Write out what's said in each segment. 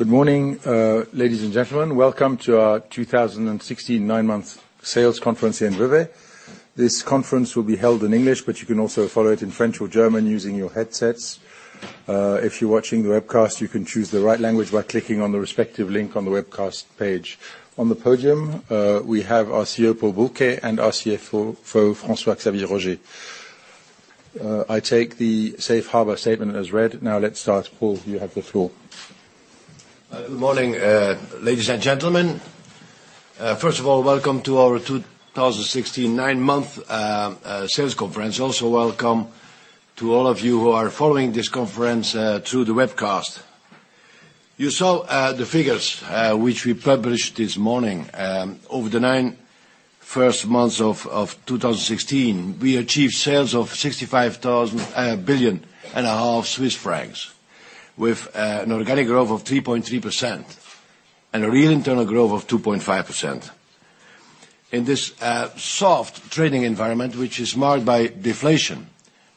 Good morning, ladies and gentlemen. Welcome to our 2016 nine-month sales conference here in Vevey. This conference will be held in English, but you can also follow it in French or German using your headsets. If you're watching the webcast, you can choose the right language by clicking on the respective link on the webcast page. On the podium, we have our CEO, Paul Bulcke, and our CFO, François-Xavier Roger. I take the safe harbor statement as read. Now let's start. Paul, you have the floor. Good morning, ladies and gentlemen. First of all, welcome to our 2016 nine-month sales conference. Also, welcome to all of you who are following this conference through the webcast. You saw the figures which we published this morning. Over the nine first months of 2016, we achieved sales of 65.5 billion, with an organic growth of 3.3% and a real internal growth of 2.5%. In this soft trading environment, which is marred by deflation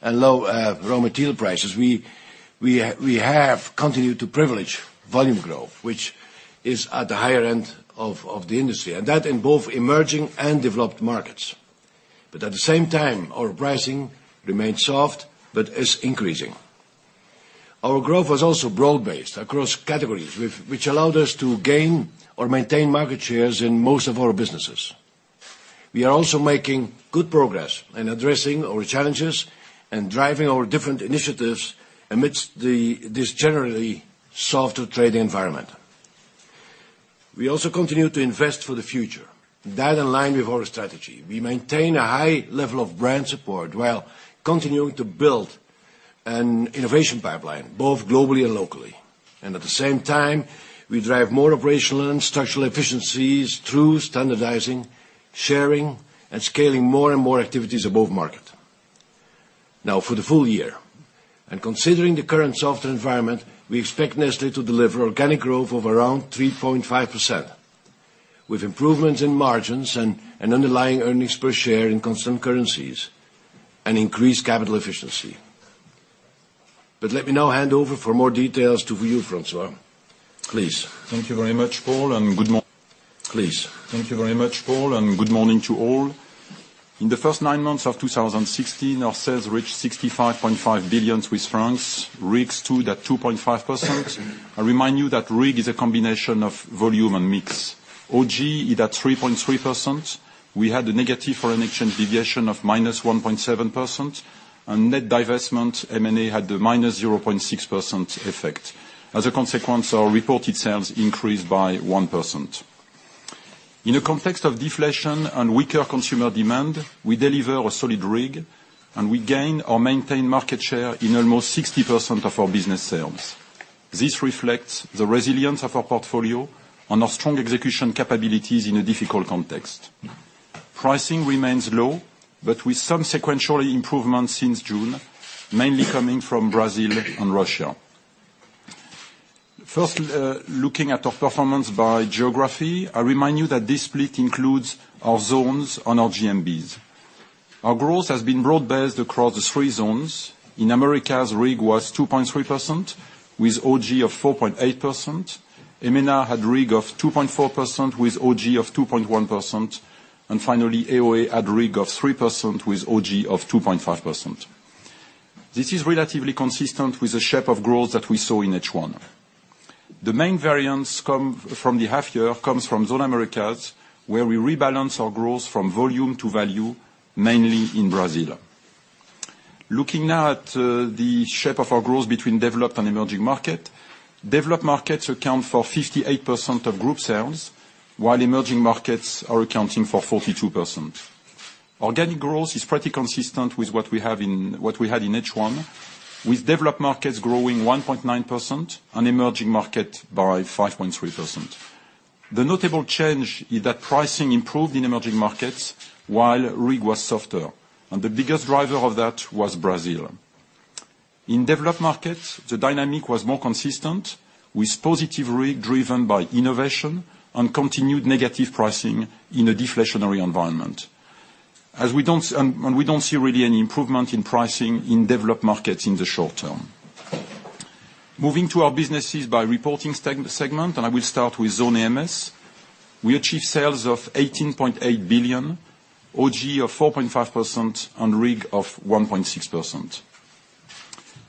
and low raw material prices, we have continued to privilege volume growth, which is at the higher end of the industry, and that in both emerging and developed markets. At the same time, our pricing remains soft but is increasing. Our growth was also broad-based across categories which allowed us to gain or maintain market shares in most of our businesses. We are also making good progress in addressing our challenges and driving our different initiatives amidst this generally softer trading environment. We also continue to invest for the future. That align with our strategy. We maintain a high level of brand support while continuing to build an innovation pipeline, both globally and locally. At the same time, we drive more operational and structural efficiencies through standardizing, sharing, and scaling more and more activities above market. Now for the full year, and considering the current softer environment, we expect Nestlé to deliver organic growth of around 3.5%, with improvements in margins and an underlying earnings per share in constant currencies and increased capital efficiency. Let me now hand over for more details to you, François. Please. Thank you very much, Paul, and good morning to all. In the first nine months of 2016, our sales reached 65.5 billion Swiss francs, RIG stood at 2.5%. I remind you that RIG is a combination of volume and mix. OG is at 3.3%. We had a negative foreign exchange deviation of -1.7%, and net divestment, M&A, had a -0.6% effect. As a consequence, our reported sales increased by 1%. In a context of deflation and weaker consumer demand, we deliver a solid RIG and we gain or maintain market share in almost 60% of our business sales. This reflects the resilience of our portfolio and our strong execution capabilities in a difficult context. Pricing remains low, but with some sequential improvement since June, mainly coming from Brazil and Russia. First, looking at our performance by geography, I remind you that this split includes our zones and our GMBs. Our growth has been broad-based across the three zones. In Americas, RIG was 2.3% with OG of 4.8%. EMENA had RIG of 2.4% with OG of 2.1%. AOA had RIG of 3% with OG of 2.5%. This is relatively consistent with the shape of growth that we saw in H1. The main variance from the half year comes from Zone AMS, where we rebalance our growth from volume to value, mainly in Brazil. Looking now at the shape of our growth between developed and emerging market, developed markets account for 58% of group sales, while emerging markets are accounting for 42%. Organic growth is pretty consistent with what we had in H1, with developed markets growing 1.9% and emerging market by 5.3%. The notable change is that pricing improved in emerging markets while RIG was softer. The biggest driver of that was Brazil. In developed markets, the dynamic was more consistent, with positive RIG driven by innovation and continued negative pricing in a deflationary environment. We don't see really any improvement in pricing in developed markets in the short term. Moving to our businesses by reporting segment, I will start with Zone AMS. We achieved sales of 18.8 billion, OG of 4.5% and RIG of 1.6%.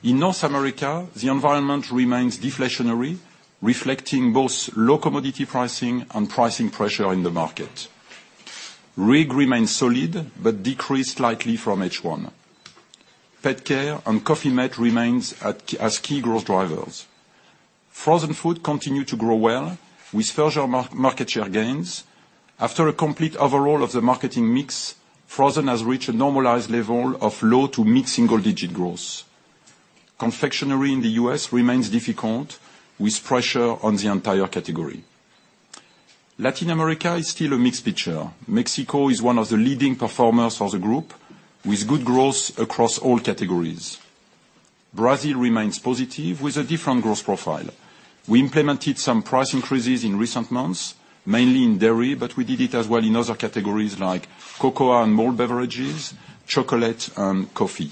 In North America, the environment remains deflationary, reflecting both low commodity pricing and pricing pressure in the market. RIG remains solid but decreased slightly from H1. Pet Care and Coffee mate remains as key growth drivers. Frozen food continued to grow well with further market share gains. After a complete overhaul of the marketing mix, frozen has reached a normalized level of low to mid-single-digit growth. Confectionery in the U.S. remains difficult, with pressure on the entire category. Latin America is still a mixed picture. Mexico is one of the leading performers of the group, with good growth across all categories. Brazil remains positive with a different growth profile. We implemented some price increases in recent months, mainly in dairy, we did it as well in other categories like cocoa and malt beverages, chocolate and coffee.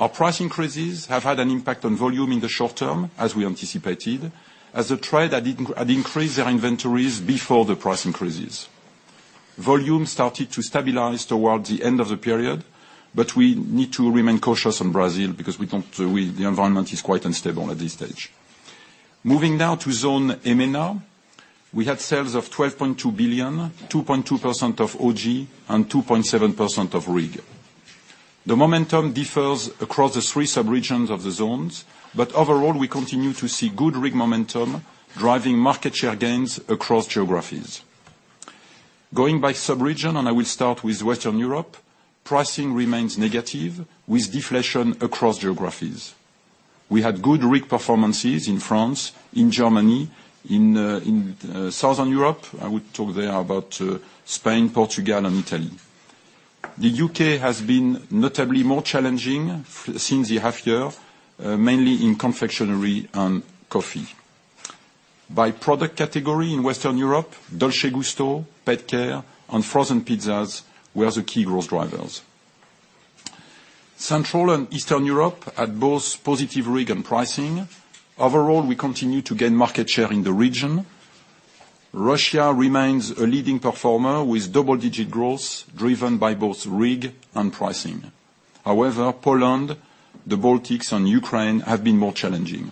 Our price increases have had an impact on volume in the short term, as we anticipated, as a trade had increased their inventories before the price increases. Volume started to stabilize towards the end of the period, we need to remain cautious on Brazil because the environment is quite unstable at this stage. Moving now to Zone EMENA. We had sales of 12.2 billion, 2.2% of OG and 2.7% of RIG. The momentum differs across the three sub-regions of the zones, overall, we continue to see good RIG momentum driving market share gains across geographies. Going by sub-region, I will start with Western Europe, pricing remains negative with deflation across geographies. We had good RIG performances in France, in Germany, in Southern Europe. I would talk there about Spain, Portugal, and Italy. The U.K. has been notably more challenging since the half year, mainly in confectionery and coffee. By product category in Western Europe, Dolce Gusto, Pet Care and frozen pizzas were the key growth drivers. Central and Eastern Europe had both positive RIG and pricing. Overall, we continue to gain market share in the region. Russia remains a leading performer with double-digit growth driven by both RIG and pricing. Poland, the Baltics and Ukraine have been more challenging.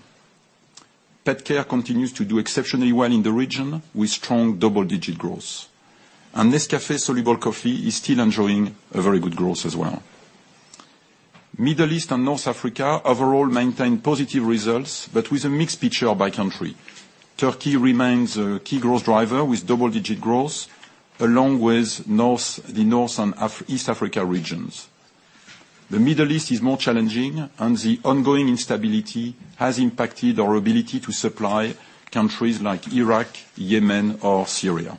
Pet Care continues to do exceptionally well in the region, with strong double-digit growth. Nescafé soluble coffee is still enjoying a very good growth as well. Middle East and North Africa overall maintained positive results, but with a mixed picture by country. Turkey remains a key growth driver with double-digit growth, along with the North and East Africa regions. The Middle East is more challenging, and the ongoing instability has impacted our ability to supply countries like Iraq, Yemen, or Syria.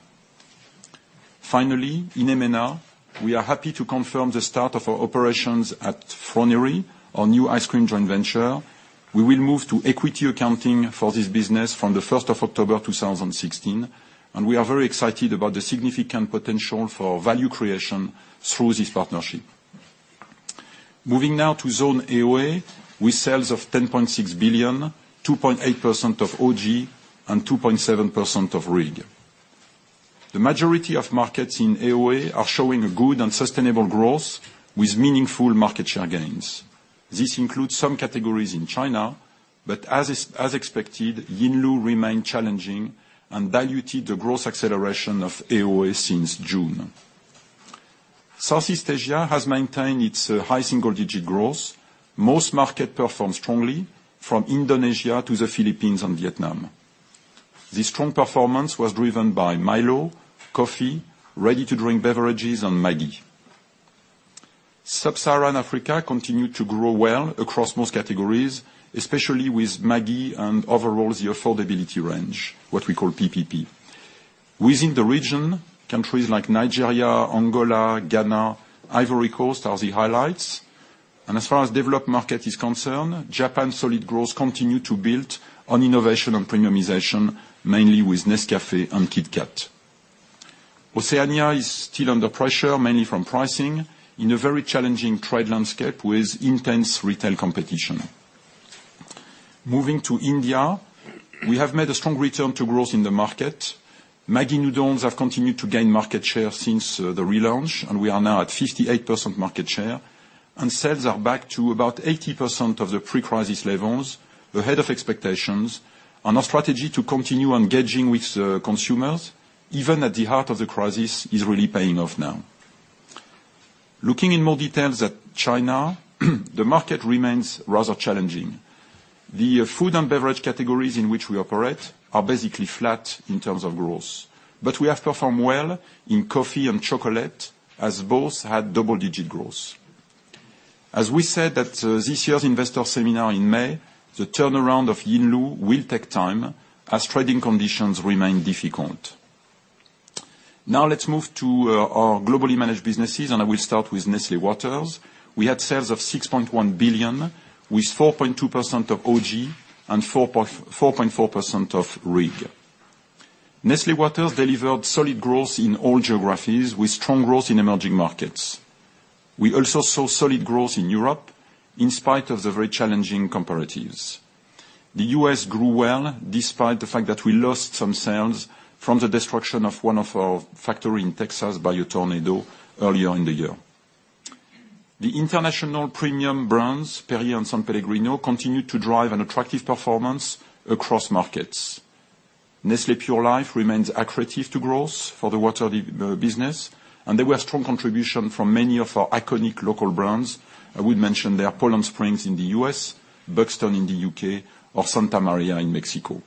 Finally, in MENA, we are happy to confirm the start of our operations at Froneri, our new ice cream joint venture. We will move to equity accounting for this business from the 1st of October 2016, and we are very excited about the significant potential for value creation through this partnership. Moving now to Zone AOA, with sales of 10.6 billion, 2.8% of OG and 2.7% of RIG. The majority of markets in AOA are showing a good and sustainable growth with meaningful market share gains. This includes some categories in China, but as expected, Yinlu remained challenging and diluted the growth acceleration of AOA since June. Southeast Asia has maintained its high single-digit growth. Most markets performed strongly, from Indonesia to the Philippines and Vietnam. This strong performance was driven by Milo, coffee, ready-to-drink beverages and Maggi. Sub-Saharan Africa continued to grow well across most categories, especially with Maggi and overall the affordability range, what we call PPP. Within the region, countries like Nigeria, Angola, Ghana, Ivory Coast are the highlights. As far as developed market is concerned, Japan's solid growth continue to build on innovation and premiumization, mainly with Nescafé and KitKat. Oceania is still under pressure, mainly from pricing, in a very challenging trade landscape with intense retail competition. Moving to India, we have made a strong return to growth in the market. Maggi Noodles have continued to gain market share since the relaunch. We are now at 58% market share. Sales are back to about 80% of the pre-crisis levels, ahead of expectations. Our strategy to continue engaging with consumers, even at the heart of the crisis, is really paying off now. Looking in more details at China, the market remains rather challenging. The food and beverage categories in which we operate are basically flat in terms of growth. We have performed well in coffee and chocolate, as both had double-digit growth. As we said at this year's investor seminar in May, the turnaround of Yinlu will take time, as trading conditions remain difficult. Let's move to our globally managed businesses. I will start with Nestlé Waters. We had sales of 6.1 billion, with 4.2% of OG and 4.4% of RIG. Nestlé Waters delivered solid growth in all geographies with strong growth in emerging markets. We also saw solid growth in Europe in spite of the very challenging comparatives. The U.S. grew well despite the fact that we lost some sales from the destruction of one of our factory in Texas by a tornado earlier in the year. The international premium brands, Perrier and S.Pellegrino, continued to drive an attractive performance across markets. Nestlé Pure Life remains accretive to growth for the water business. There were strong contribution from many of our iconic local brands. I would mention there Poland Spring in the U.S., Buxton in the U.K., or Santa María in Mexico.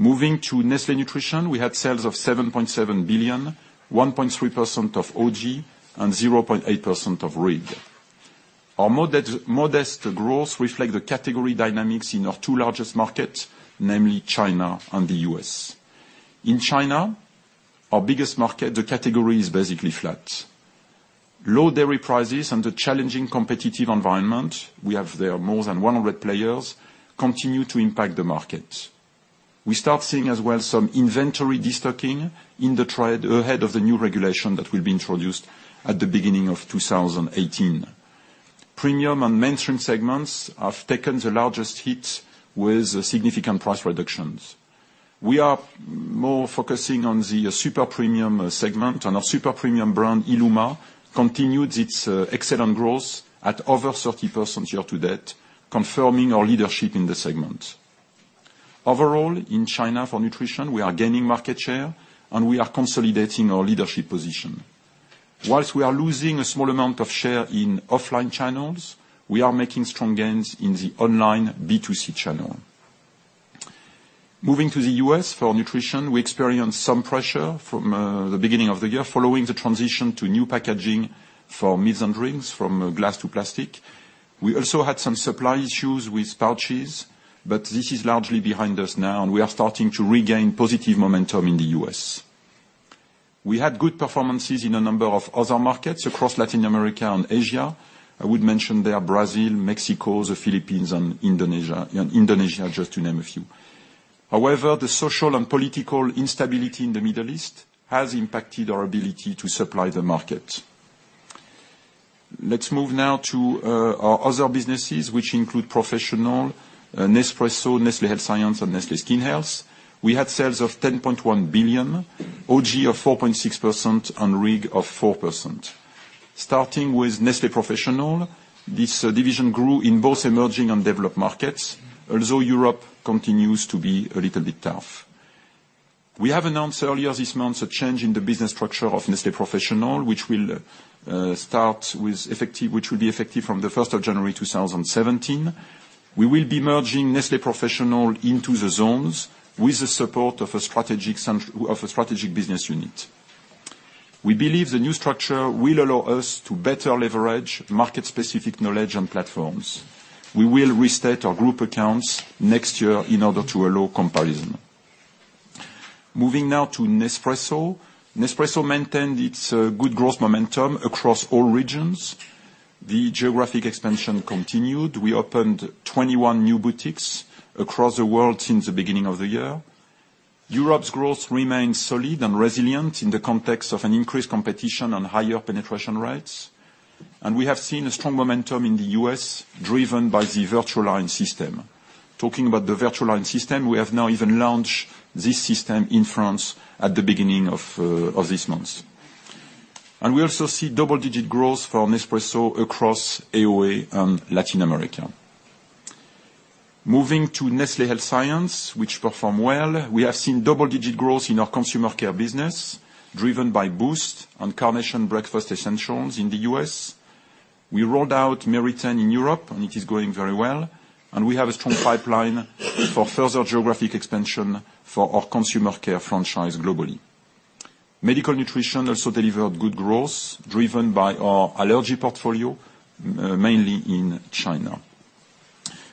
Moving to Nestlé Nutrition, we had sales of 7.7 billion, 1.3% of OG and 0.8% of RIG. Our modest growth reflect the category dynamics in our two largest markets, namely China and the U.S. In China. Our biggest market, the category is basically flat. Low dairy prices and the challenging competitive environment, we have there more than 100 players, continue to impact the market. We start seeing as well some inventory de-stocking in the trade ahead of the new regulation that will be introduced at the beginning of 2018. Premium and mainstream segments have taken the largest hit with significant price reductions. We are more focusing on the super premium segment, and our super premium brand, Illuma, continued its excellent growth at over 30% year to date, confirming our leadership in the segment. Overall, in China for nutrition, we are gaining market share and we are consolidating our leadership position. Whilst we are losing a small amount of share in offline channels, we are making strong gains in the online B2C channel. Moving to the U.S. for nutrition, we experienced some pressure from the beginning of the year following the transition to new packaging for meals and drinks, from glass to plastic. We also had some supply issues with pouches, but this is largely behind us now, and we are starting to regain positive momentum in the U.S. We had good performances in a number of other markets across Latin America and Asia. I would mention there Brazil, Mexico, the Philippines, and Indonesia, just to name a few. However, the social and political instability in the Middle East has impacted our ability to supply the market. Let's move now to our other businesses, which include Professional, Nespresso, Nestlé Health Science, and Nestlé Skin Health. We had sales of 10.1 billion, OG of 4.6%, and RIG of 4%. Starting with Nestlé Professional, this division grew in both emerging and developed markets, although Europe continues to be a little bit tough. We have announced earlier this month a change in the business structure of Nestlé Professional, which will be effective from the 1st of January 2017. We will be merging Nestlé Professional into the zones with the support of a strategic business unit. We believe the new structure will allow us to better leverage market-specific knowledge and platforms. We will restate our group accounts next year in order to allow comparison. Moving now to Nespresso. Nespresso maintained its good growth momentum across all regions. The geographic expansion continued. We opened 21 new boutiques across the world since the beginning of the year. Europe's growth remains solid and resilient in the context of an increased competition and higher penetration rates. We have seen a strong momentum in the U.S., driven by the VertuoLine system. Talking about the VertuoLine system, we have now even launched this system in France at the beginning of this month. We also see double-digit growth for Nespresso across AOA and Latin America. Moving to Nestlé Health Science, which performed well. We have seen double-digit growth in our consumer care business, driven by Boost and Carnation Breakfast Essentials in the U.S. We rolled out Meritene in Europe, and it is going very well, and we have a strong pipeline for further geographic expansion for our consumer care franchise globally. Medical Nutrition also delivered good growth, driven by our allergy portfolio, mainly in China.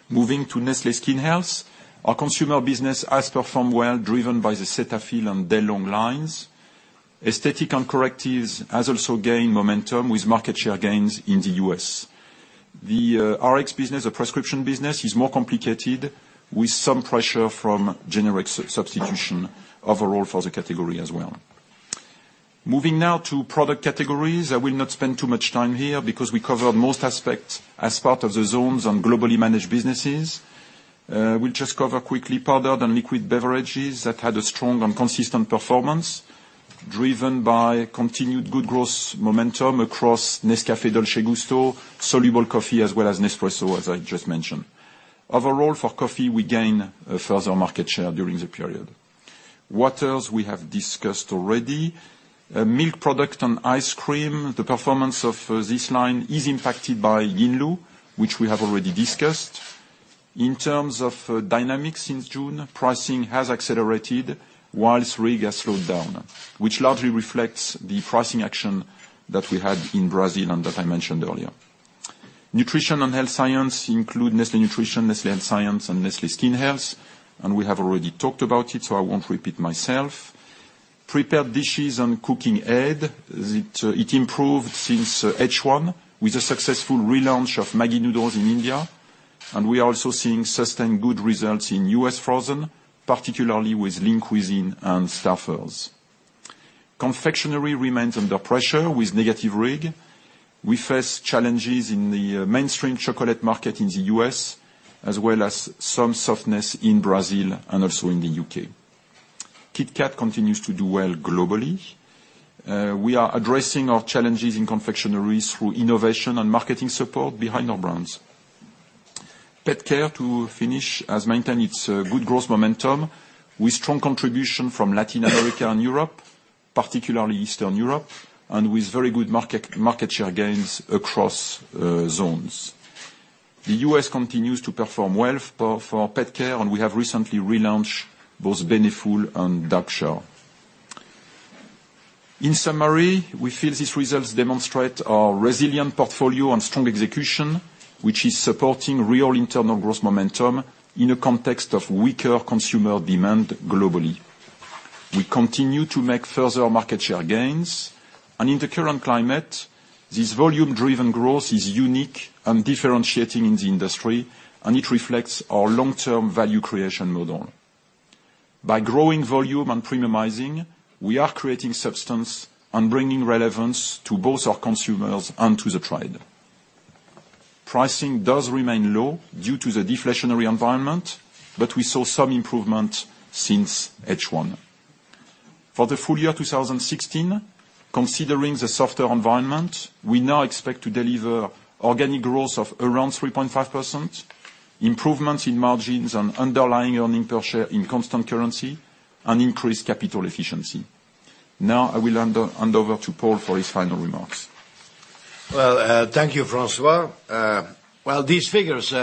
Moving to Nestlé Skin Health, our consumer business has performed well, driven by the Cetaphil and Daylong lines. Aesthetic and Correctives has also gained momentum with market share gains in the U.S. The Rx business, the prescription business, is more complicated, with some pressure from generic substitution overall for the category as well. Moving now to product categories. I will not spend too much time here because we covered most aspects as part of the zones on globally managed businesses. We will just cover quickly powdered and liquid beverages that had a strong and consistent performance, driven by continued good growth momentum across Nescafé Dolce Gusto, soluble coffee, as well as Nespresso, as I just mentioned. Overall, for coffee, we gain further market share during the period. Waters, we have discussed already. Milk product and ice cream, the performance of this line is impacted by Yinlu, which we have already discussed. In terms of dynamics since June, pricing has accelerated whilst RIG has slowed down, which largely reflects the pricing action that we had in Brazil and that I mentioned earlier. Nutrition and Health Science include Nestlé Nutrition, Nestlé Health Science, and Nestlé Skin Health, and we have already talked about it, so I won't repeat myself. Prepared dishes and cooking aid, it improved since H1 with the successful relaunch of Maggi Noodles in India, and we are also seeing sustained good results in U.S. frozen, particularly with Lean Cuisine and Stouffer's. Confectionery remains under pressure with negative RIG. We face challenges in the mainstream chocolate market in the U.S., as well as some softness in Brazil and also in the U.K. KitKat continues to do well globally. We are addressing our challenges in confectioneries through innovation and marketing support behind our brands. Pet Care, to finish, has maintained its good growth momentum with strong contribution from Latin America and Europe, particularly Eastern Europe, and with very good market share gains across zones. The U.S. continues to perform well for Pet Care, and we have recently relaunched both Beneful and Dog Chow. In summary, we feel these results demonstrate our resilient portfolio and strong execution, which is supporting real internal growth momentum in a context of weaker consumer demand globally. We continue to make further market share gains, and in the current climate, this volume-driven growth is unique and differentiating in the industry, and it reflects our long-term value creation model. By growing volume and premiumizing, we are creating substance and bringing relevance to both our consumers and to the trade. Pricing does remain low due to the deflationary environment, but we saw some improvement since H1. For the full year 2016, considering the softer environment, we now expect to deliver organic growth of around 3.5%, improvements in margins and underlying earning per share in constant currency, and increased capital efficiency. Now, I will hand over to Paul for his final remarks. Well, thank you, François. While these figures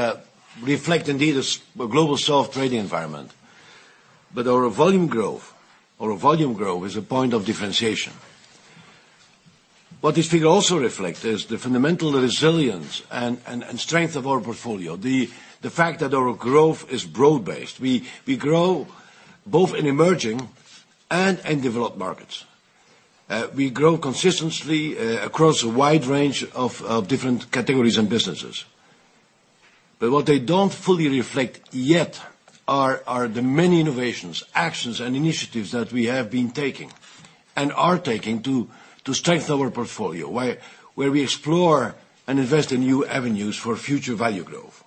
reflect indeed a global soft trade environment, our volume growth is a point of differentiation. What this figure also reflects is the fundamental resilience and strength of our portfolio. The fact that our growth is broad-based. We grow both in emerging and in developed markets. We grow consistently across a wide range of different categories and businesses. What they don't fully reflect yet are the many innovations, actions, and initiatives that we have been taking and are taking to strengthen our portfolio, where we explore and invest in new avenues for future value growth.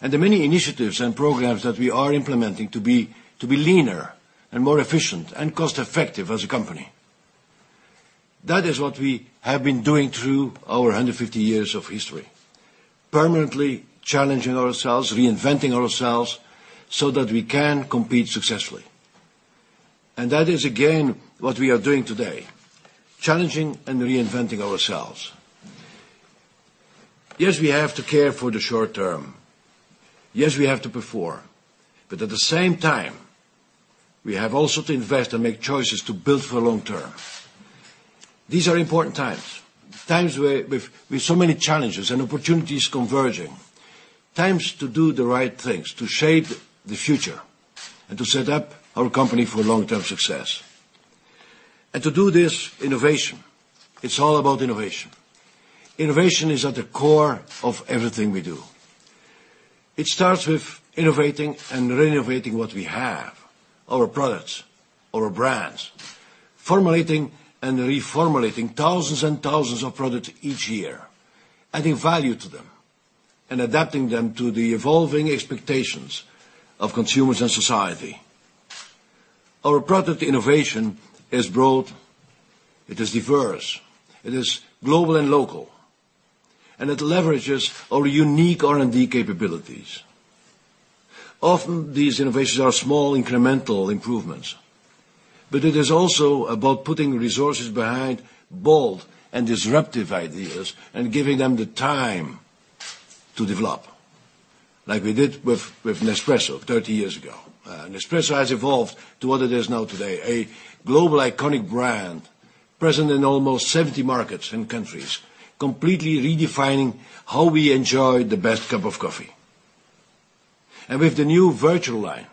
The many initiatives and programs that we are implementing to be leaner and more efficient and cost-effective as a company. That is what we have been doing through our 150 years of history, permanently challenging ourselves, reinventing ourselves so that we can compete successfully. That is, again, what we are doing today, challenging and reinventing ourselves. Yes, we have to care for the short term. Yes, we have to perform. At the same time, we have also to invest and make choices to build for long term. These are important times with so many challenges and opportunities converging, times to do the right things, to shape the future, and to set up our company for long-term success. To do this, innovation. It's all about innovation. Innovation is at the core of everything we do. It starts with innovating and renovating what we have, our products, our brands, formulating and reformulating thousands and thousands of products each year, adding value to them and adapting them to the evolving expectations of consumers and society. Our product innovation is broad, it is diverse, it is global and local, and it leverages our unique R&D capabilities. Often, these innovations are small, incremental improvements, but it is also about putting resources behind bold and disruptive ideas and giving them the time to develop, like we did with Nespresso 30 years ago. Nespresso has evolved to what it is now today, a global iconic brand present in almost 70 markets and countries, completely redefining how we enjoy the best cup of coffee. With the new VertuoLine,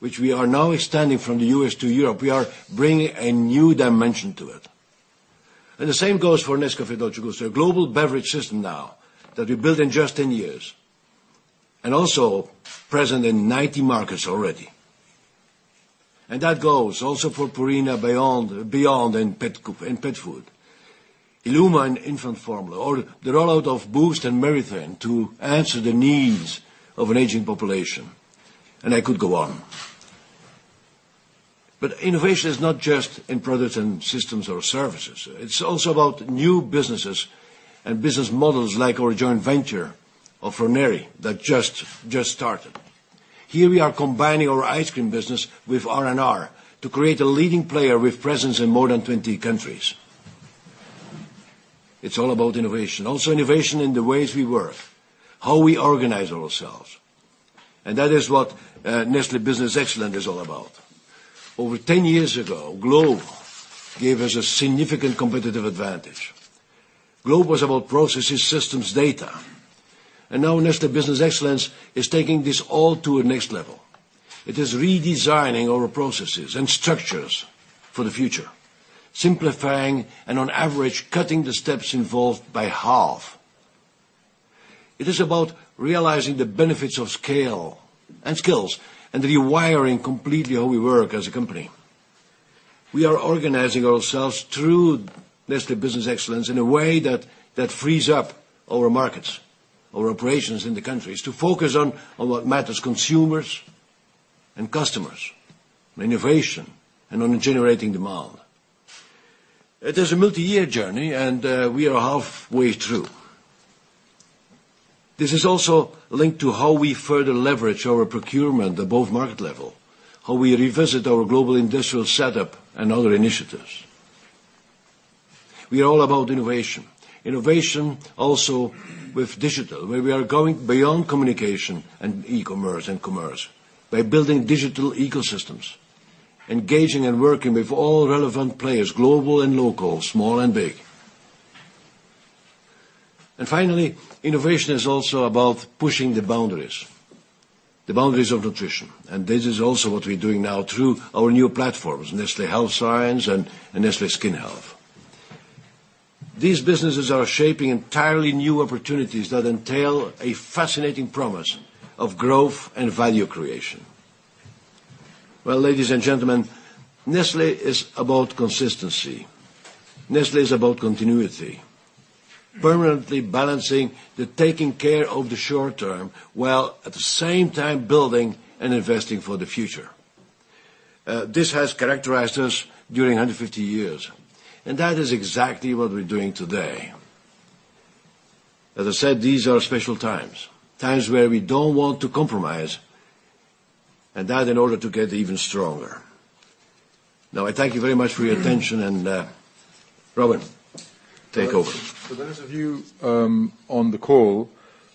which we are now extending from the U.S. to Europe, we are bringing a new dimension to it. The same goes for Nescafé Dolce Gusto, a global beverage system now that we built in just 10 years, also present in 90 markets already. That goes also for Purina Beyond in pet food, Illuma in infant formula, or the rollout of Boost and Meritene to answer the needs of an aging population, and I could go on. Innovation is not just in products and systems or services. It's also about new businesses and business models like our joint venture of Froneri that just started. Here, we are combining our ice cream business with R&R to create a leading player with presence in more than 20 countries. It's all about innovation. Also innovation in the ways we work, how we organize ourselves, that is what Nestlé Business Excellence is all about. Over 10 years ago, GLOBE gave us a significant competitive advantage. GLOBE was about processes, systems, data, now Nestlé Business Excellence is taking this all to a next level. It is redesigning our processes and structures for the future, simplifying and on average, cutting the steps involved by half. It is about realizing the benefits of scale and skills and rewiring completely how we work as a company. We are organizing ourselves through Nestlé Business Excellence in a way that frees up our markets, our operations in the countries to focus on what matters, consumers and customers, and innovation, and on generating demand. It is a multi-year journey, and we are halfway through. This is also linked to how we further leverage our procurement above market level, how we revisit our global industrial setup and other initiatives. We are all about innovation. Innovation also with digital, where we are going beyond communication and e-commerce and commerce by building digital ecosystems, engaging and working with all relevant players, global and local, small and big. Finally, innovation is also about pushing the boundaries, the boundaries of nutrition. This is also what we're doing now through our new platforms, Nestlé Health Science and Nestlé Skin Health. These businesses are shaping entirely new opportunities that entail a fascinating promise of growth and value creation. Well, ladies and gentlemen, Nestlé is about consistency. Nestlé is about continuity, permanently balancing the taking care of the short term, while at the same time building and investing for the future. This has characterized us during 150 years, and that is exactly what we're doing today. As I said, these are special times where we don't want to compromise, that in order to get even stronger. I thank you very much for your attention, and Robin, take over. For those of you on the call,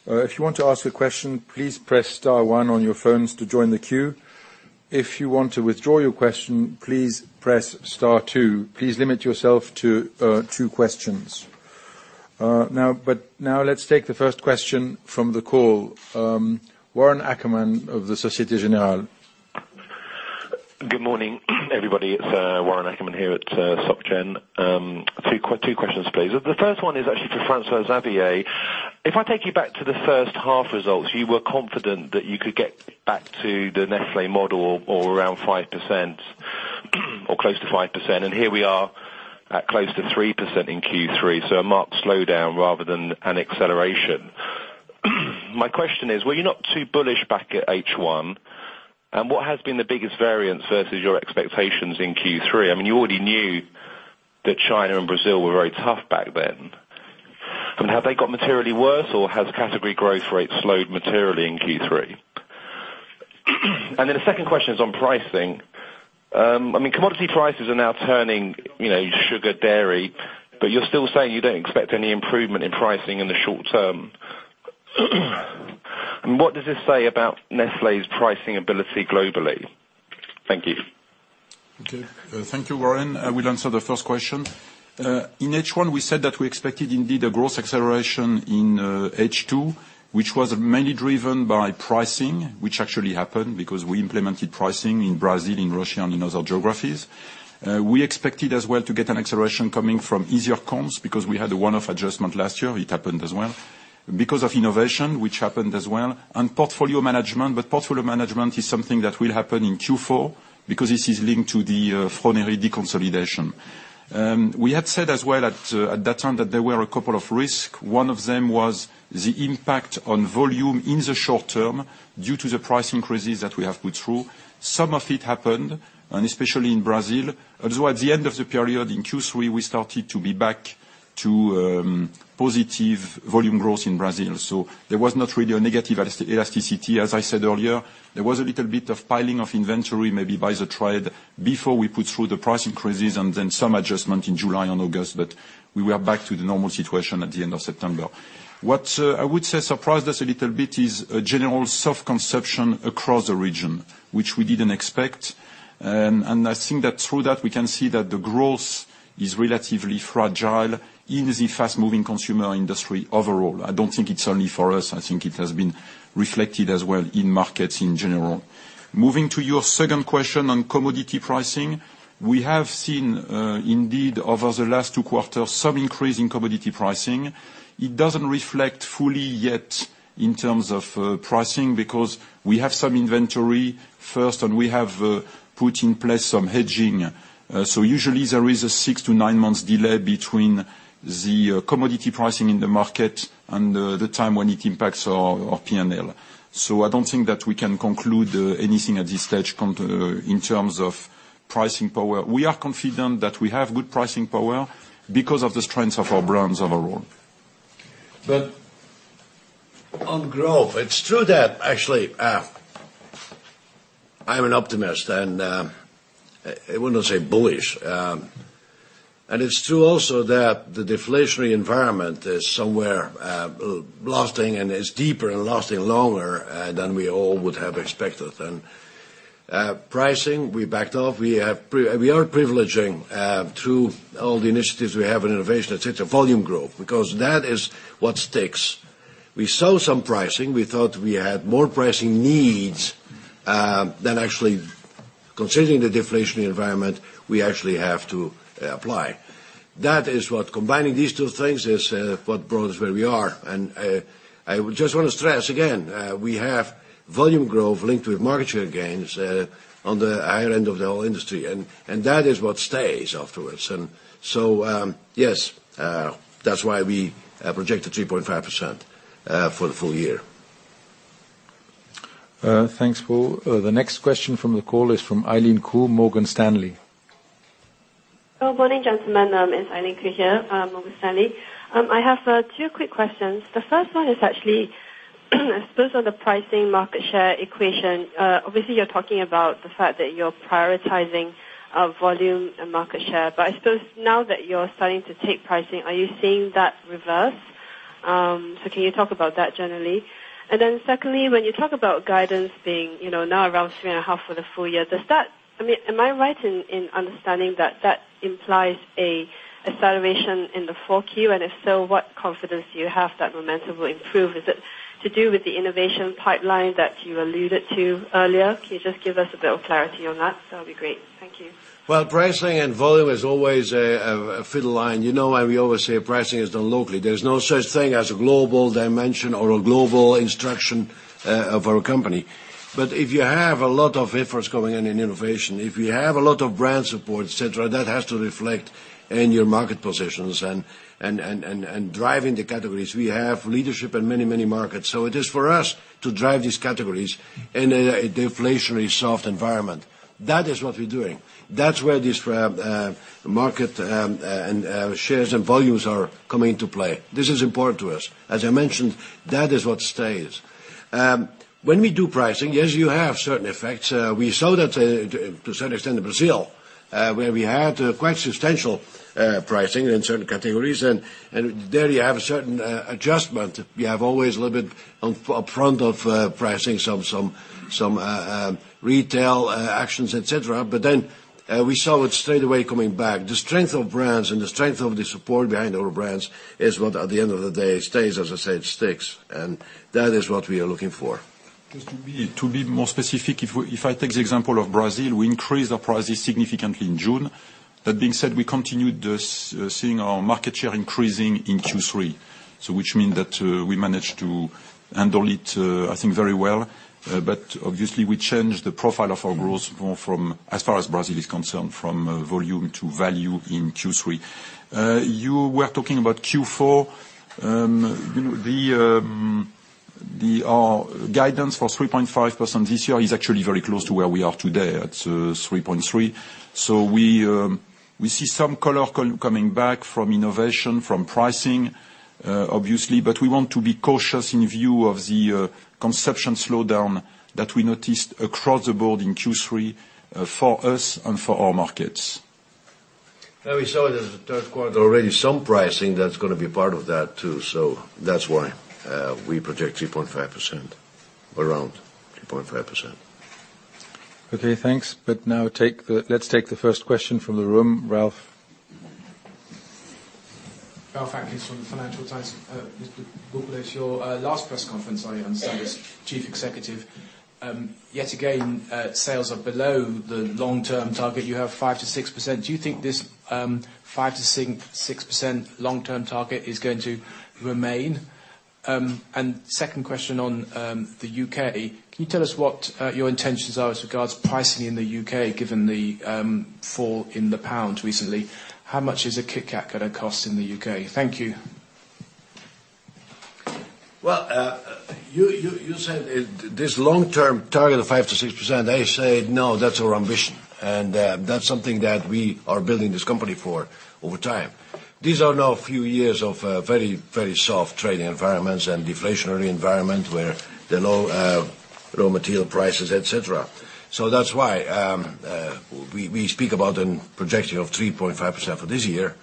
if you want to ask a question, please press star 1 on your phones to join the queue. If you want to withdraw your question, please press star 2. Please limit yourself to two questions. Now let's take the first question from the call. Warren Ackerman of the Société Générale. Good morning, everybody. It's Warren Ackerman here at Soc Gen. Two questions, please. The first one is actually for François-Xavier. If I take you back to the first half results, you were confident that you could get back to the Nestlé model or around 5%, or close to 5%, here we are at close to 3% in Q3, so a marked slowdown rather than an acceleration. My question is, were you not too bullish back at H1? What has been the biggest variance versus your expectations in Q3? You already knew that China and Brazil were very tough back then. Have they got materially worse, or has category growth rate slowed materially in Q3? Then the second question is on pricing. Commodity prices are now turning, sugar, dairy, but you're still saying you don't expect any improvement in pricing in the short term. What does this say about Nestlé's pricing ability globally? Thank you. Okay. Thank you, Warren. I will answer the first question. In H1, we said that we expected indeed a growth acceleration in H2, which was mainly driven by pricing, which actually happened because we implemented pricing in Brazil, in Russia, and in other geographies. We expected as well to get an acceleration coming from easier comps, because we had a one-off adjustment last year, it happened as well. Because of innovation, which happened as well, and portfolio management, but portfolio management is something that will happen in Q4 because this is linked to the Faurecia deconsolidation. We had said as well at that time that there were a couple of risks. One of them was the impact on volume in the short term due to the price increases that we have put through. Some of it happened, and especially in Brazil. At the end of the period in Q3, we started to be back to positive volume growth in Brazil. There was not really a negative elasticity, as I said earlier. There was a little bit of piling of inventory, maybe by the trade before we put through the price increases and then some adjustment in July and August, but we were back to the normal situation at the end of September. What I would say surprised us a little bit is a general soft consumption across the region, which we didn't expect. I think that through that, we can see that the growth is relatively fragile in the fast-moving consumer industry overall. I don't think it's only for us, I think it has been reflected as well in markets in general. Moving to your second question on commodity pricing. We have seen, indeed, over the last two quarters, some increase in commodity pricing. It doesn't reflect fully yet in terms of pricing because we have some inventory first, and we have put in place some hedging. Usually there is a six to nine months delay between the commodity pricing in the market and the time when it impacts our P&L. I don't think that we can conclude anything at this stage in terms of pricing power. We are confident that we have good pricing power because of the strength of our brands overall. On growth, it's true that actually, I'm an optimist, I would not say bullish. It's true also that the deflationary environment is somewhere lasting and is deeper and lasting longer than we all would have expected. Pricing, we backed off. We are privileging through all the initiatives we have in innovation, etc., volume growth, because that is what sticks. We saw some pricing. We thought we had more pricing needs than actually considering the deflationary environment we actually have to apply. That is what combining these two things is what brought us where we are. I just want to stress again, we have volume growth linked with market share gains on the higher end of the whole industry, and that is what stays afterwards. Yes, that's why we projected 3.5% for the full year. Thanks, Paul. The next question from the call is from Eileen Khoo, Morgan Stanley. Morning, gentlemen, it's Eileen Khoo here, Morgan Stanley. I have two quick questions. The first one is I suppose on the pricing market share equation, obviously you're talking about the fact that you're prioritizing volume and market share. I suppose now that you're starting to take pricing, are you seeing that reverse? Can you talk about that generally? Secondly, when you talk about guidance being now around 3.5% for the full year, am I right in understanding that that implies an acceleration in the 4Q? If so, what confidence do you have that momentum will improve? Is it to do with the innovation pipeline that you alluded to earlier? Can you just give us a bit of clarity on that? That would be great. Thank you. Well, pricing and volume is always a fiddle line. You know why we always say pricing is done locally. There's no such thing as a global dimension or a global instruction of our company. If you have a lot of efforts going on in innovation, if you have a lot of brand support, etc., that has to reflect in your market positions and driving the categories. We have leadership in many markets, so it is for us to drive these categories in a deflationary soft environment. That is what we're doing. That's where these market and shares and volumes are coming into play. This is important to us. As I mentioned, that is what stays. When we do pricing, yes, you have certain effects. We saw that to a certain extent in Brazil, where we had quite substantial pricing in certain categories. There you have a certain adjustment. We have always a little bit up front of pricing, some retail actions, et cetera. We saw it straight away coming back. The strength of brands and the strength of the support behind our brands is what, at the end of the day, stays. As I said, sticks. That is what we are looking for. Just to be more specific, if I take the example of Brazil, we increased our prices significantly in June. That being said, we continued seeing our market share increasing in Q3. Which mean that we managed to handle it, I think very well. Obviously we changed the profile of our growth more from, as far as Brazil is concerned, from volume to value in Q3. You were talking about Q4. Our guidance for 3.5% this year is actually very close to where we are today at 3.3%. We see some color coming back from innovation, from pricing, obviously, but we want to be cautious in view of the consumption slowdown that we noticed across the board in Q3 for us and for our markets. We saw it in the third quarter already, some pricing that's going to be part of that too. That's why we project 3.5%, around 3.5%. Okay, thanks. Now let's take the first question from the room. Ralph. Ralph Atkins from the Financial Times. Mr. Bulcke, it's your last press conference, I understand, as Chief Executive. Yet again, sales are below the long-term target. You have 5%-6%. Do you think this 5%-6% long-term target is going to remain? Second question on the U.K., can you tell us what your intentions are as regards pricing in the U.K., given the fall in the pound recently? How much is a KitKat going to cost in the U.K.? Thank you. Well, you said this long-term target of 5%-6%. I say no, that's our ambition, that's something that we are building this company for over time. These are now a few years of very soft trading environments and deflationary environment where the raw material prices, et cetera. That's why we speak about a projection of 3.5% for this year.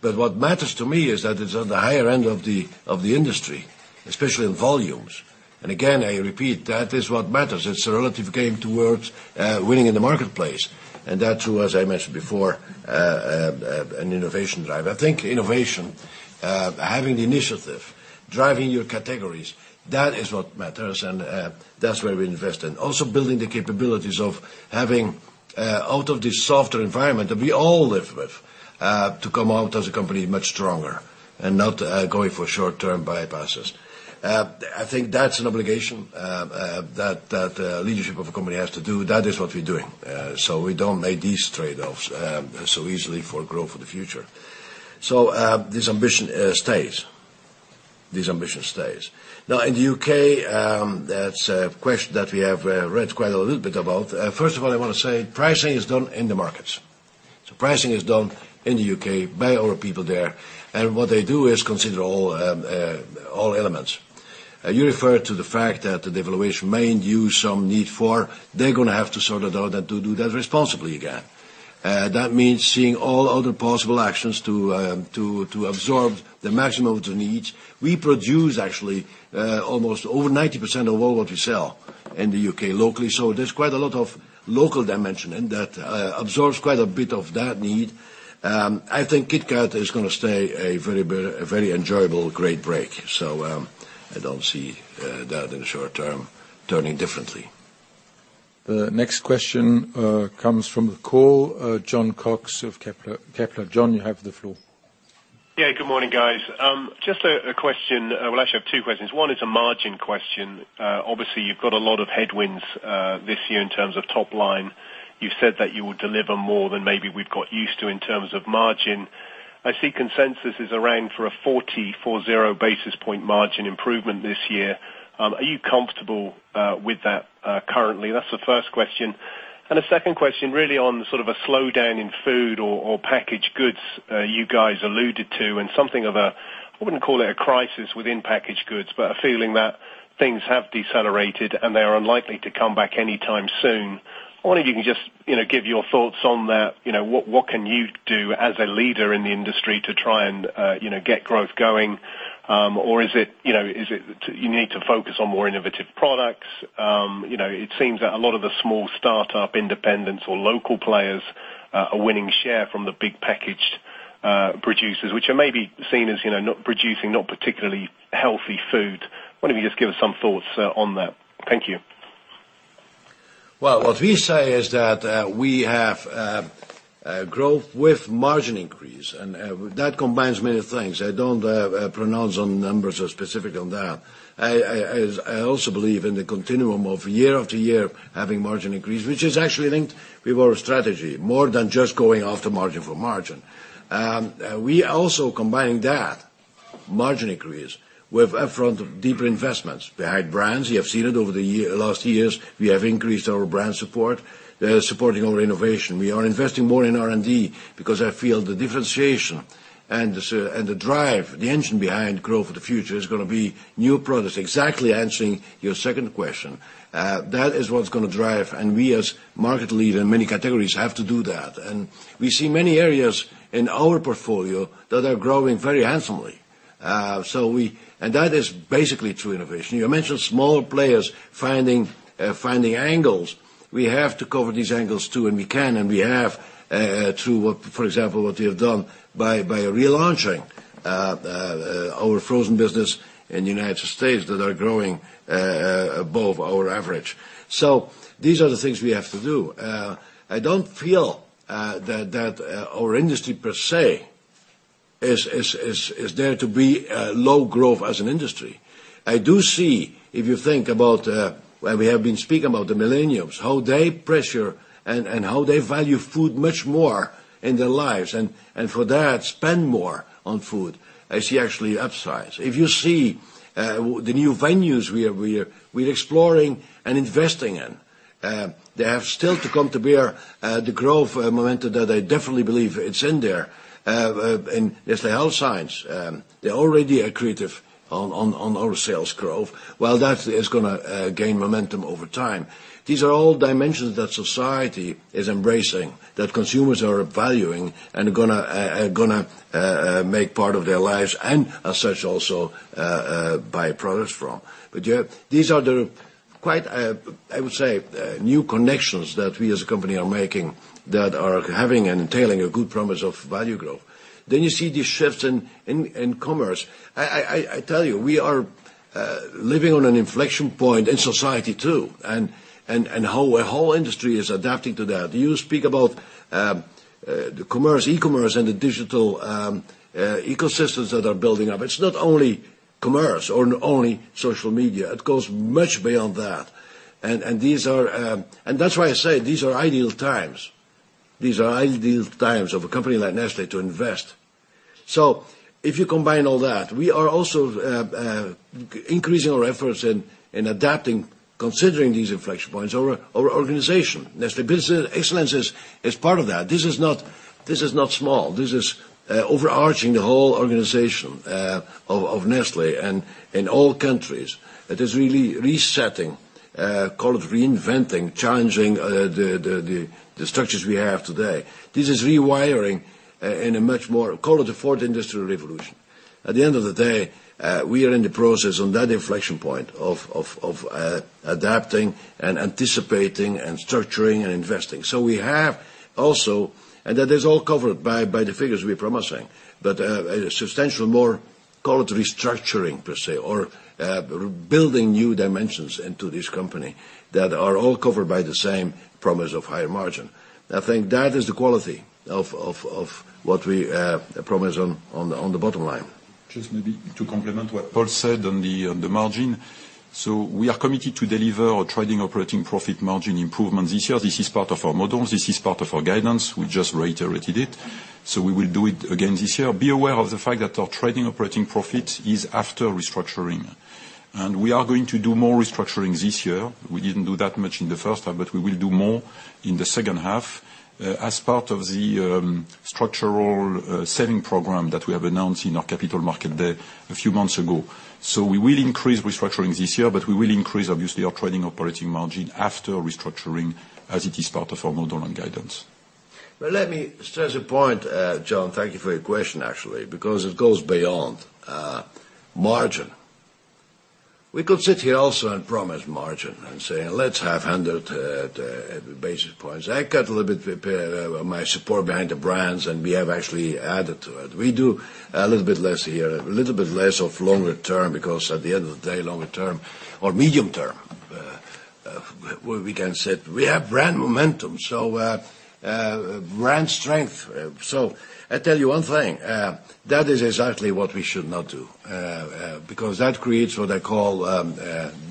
What matters to me is that it's on the higher end of the industry, especially in volumes. Again, I repeat, that is what matters. It's a relative game towards winning in the marketplace. That too, as I mentioned before, an innovation drive. I think innovation, having the initiative, driving your categories, that is what matters, and that's where we invest in. Also building the capabilities of having out of this softer environment that we all live with, to come out as a company much stronger and not going for short-term bypasses. I think that's an obligation that the leadership of a company has to do. That is what we're doing. We don't make these trade-offs so easily for growth for the future. This ambition stays. Now, in the U.K., that's a question that we have read quite a little bit about. First of all, I want to say pricing is done in the markets. Pricing is done in the U.K. by our people there. What they do is consider all elements. You refer to the fact that the devaluation may induce some need for, they're going to have to sort it out and to do that responsibly, again. That means seeing all other possible actions to absorb the maximum of the needs. We produce actually almost over 90% of all what we sell in the U.K. locally. There's quite a lot of local dimension, and that absorbs quite a bit of that need. I think KitKat is going to stay a very enjoyable, great break. I don't see that in the short term turning differently. The next question comes from the call, Jon Cox of Kepler. Jon, you have the floor. Yeah, good morning, guys. Just a question. Well, actually I have two questions. One is a margin question. Obviously, you've got a lot of headwinds this year in terms of top line. You've said that you will deliver more than maybe we've got used to in terms of margin. I see consensus is around for a 40 basis point margin improvement this year. Are you comfortable with that currently? That's the first question. The second question, really on sort of a slowdown in food or packaged goods you guys alluded to, something of a, I wouldn't call it a crisis within packaged goods, but a feeling that things have decelerated, and they are unlikely to come back anytime soon. I wonder if you can just give your thoughts on that. What can you do as a leader in the industry to try and get growth going? Is it you need to focus on more innovative products? It seems that a lot of the small startup independents or local players are winning share from the big packaged producers, which are maybe seen as producing not particularly healthy food. Wondering if you could just give us some thoughts on that. Thank you. Well, what we say is that we have growth with margin increase. That combines many things. I don't pronounce on numbers or specific on that. I also believe in the continuum of year after year, having margin increase, which is actually linked with our strategy, more than just going after margin for margin. We also combine that margin increase with deeper investments behind brands. You have seen it over the last years. We have increased our brand support, supporting our innovation. We are investing more in R&D because I feel the differentiation and the drive, the engine behind growth for the future is going to be new products. Exactly answering your second question. That is what's going to drive, we, as market leader in many categories, have to do that. We see many areas in our portfolio that are growing very handsomely. That is basically through innovation. You mentioned small players finding angles. We have to cover these angles too, and we can, and we have through, for example, what we have done by relaunching our frozen business in the U.S. that are growing above our average. These are the things we have to do. I don't feel that our industry per se is there to be low growth as an industry. I do see, if you think about where we have been speaking about the millennials, how they pressure and how they value food much more in their lives, and for that, spend more on food. I see actually upsides. If you see the new venues we're exploring and investing in, they have still to come to bear the growth momentum that I definitely believe it's in there. If the Health Science, they already are creative on our sales growth, well, that is going to gain momentum over time. These are all dimensions that society is embracing, that consumers are valuing and are going to make part of their lives, and as such, also buy products from. These are the quite, I would say, new connections that we as a company are making that are having and entailing a good promise of value growth. You see these shifts in commerce. I tell you; we are living on an inflection point in society too, and our whole industry is adapting to that. You speak about the commerce, e-commerce and the digital ecosystems that are building up. It's not only commerce or only social media. It goes much beyond that. That's why I say these are ideal times. These are ideal times of a company like Nestlé to invest. If you combine all that, we are also increasing our efforts in adapting, considering these inflection points, our organization. Nestlé Business Excellence is part of that. This is not small. This is overarching the whole organization of Nestlé and in all countries. It is really resetting, call it reinventing, challenging the structures we have today. This is rewiring in a much more, call it the fourth industrial revolution. At the end of the day, we are in the process on that inflection point of adapting and anticipating and structuring and investing. We have also, and that is all covered by the figures we are promising. A substantial more, call it restructuring, per se, or building new dimensions into this company that are all covered by the same promise of higher margin. I think that is the quality of what we promise on the bottom line. Just maybe to complement what Paul said on the margin. We are committed to deliver our trading operating profit margin improvements this year. This is part of our model. This is part of our guidance. We just reiterated it. We will do it again this year. Be aware of the fact that our trading operating profit is after restructuring. We are going to do more restructuring this year. We didn't do that much in the first half, but we will do more in the second half as part of the structural saving program that we have announced in our Capital Markets Day a few months ago. We will increase restructuring this year, but we will increase, obviously, our trading operating margin after restructuring as it is part of our model and guidance. Let me stress a point, John. Thank you for your question, actually, because it goes beyond margin. We could sit here also and promise margin and say, "Let's have 100 basis points." I cut a little bit with my support behind the brands, and we have actually added to it. We do a little bit less here, a little bit less of longer term, because at the end of the day, longer term or medium term, we can say we have brand momentum, so brand strength. I tell you one thing, that is exactly what we should not do, because that creates what I call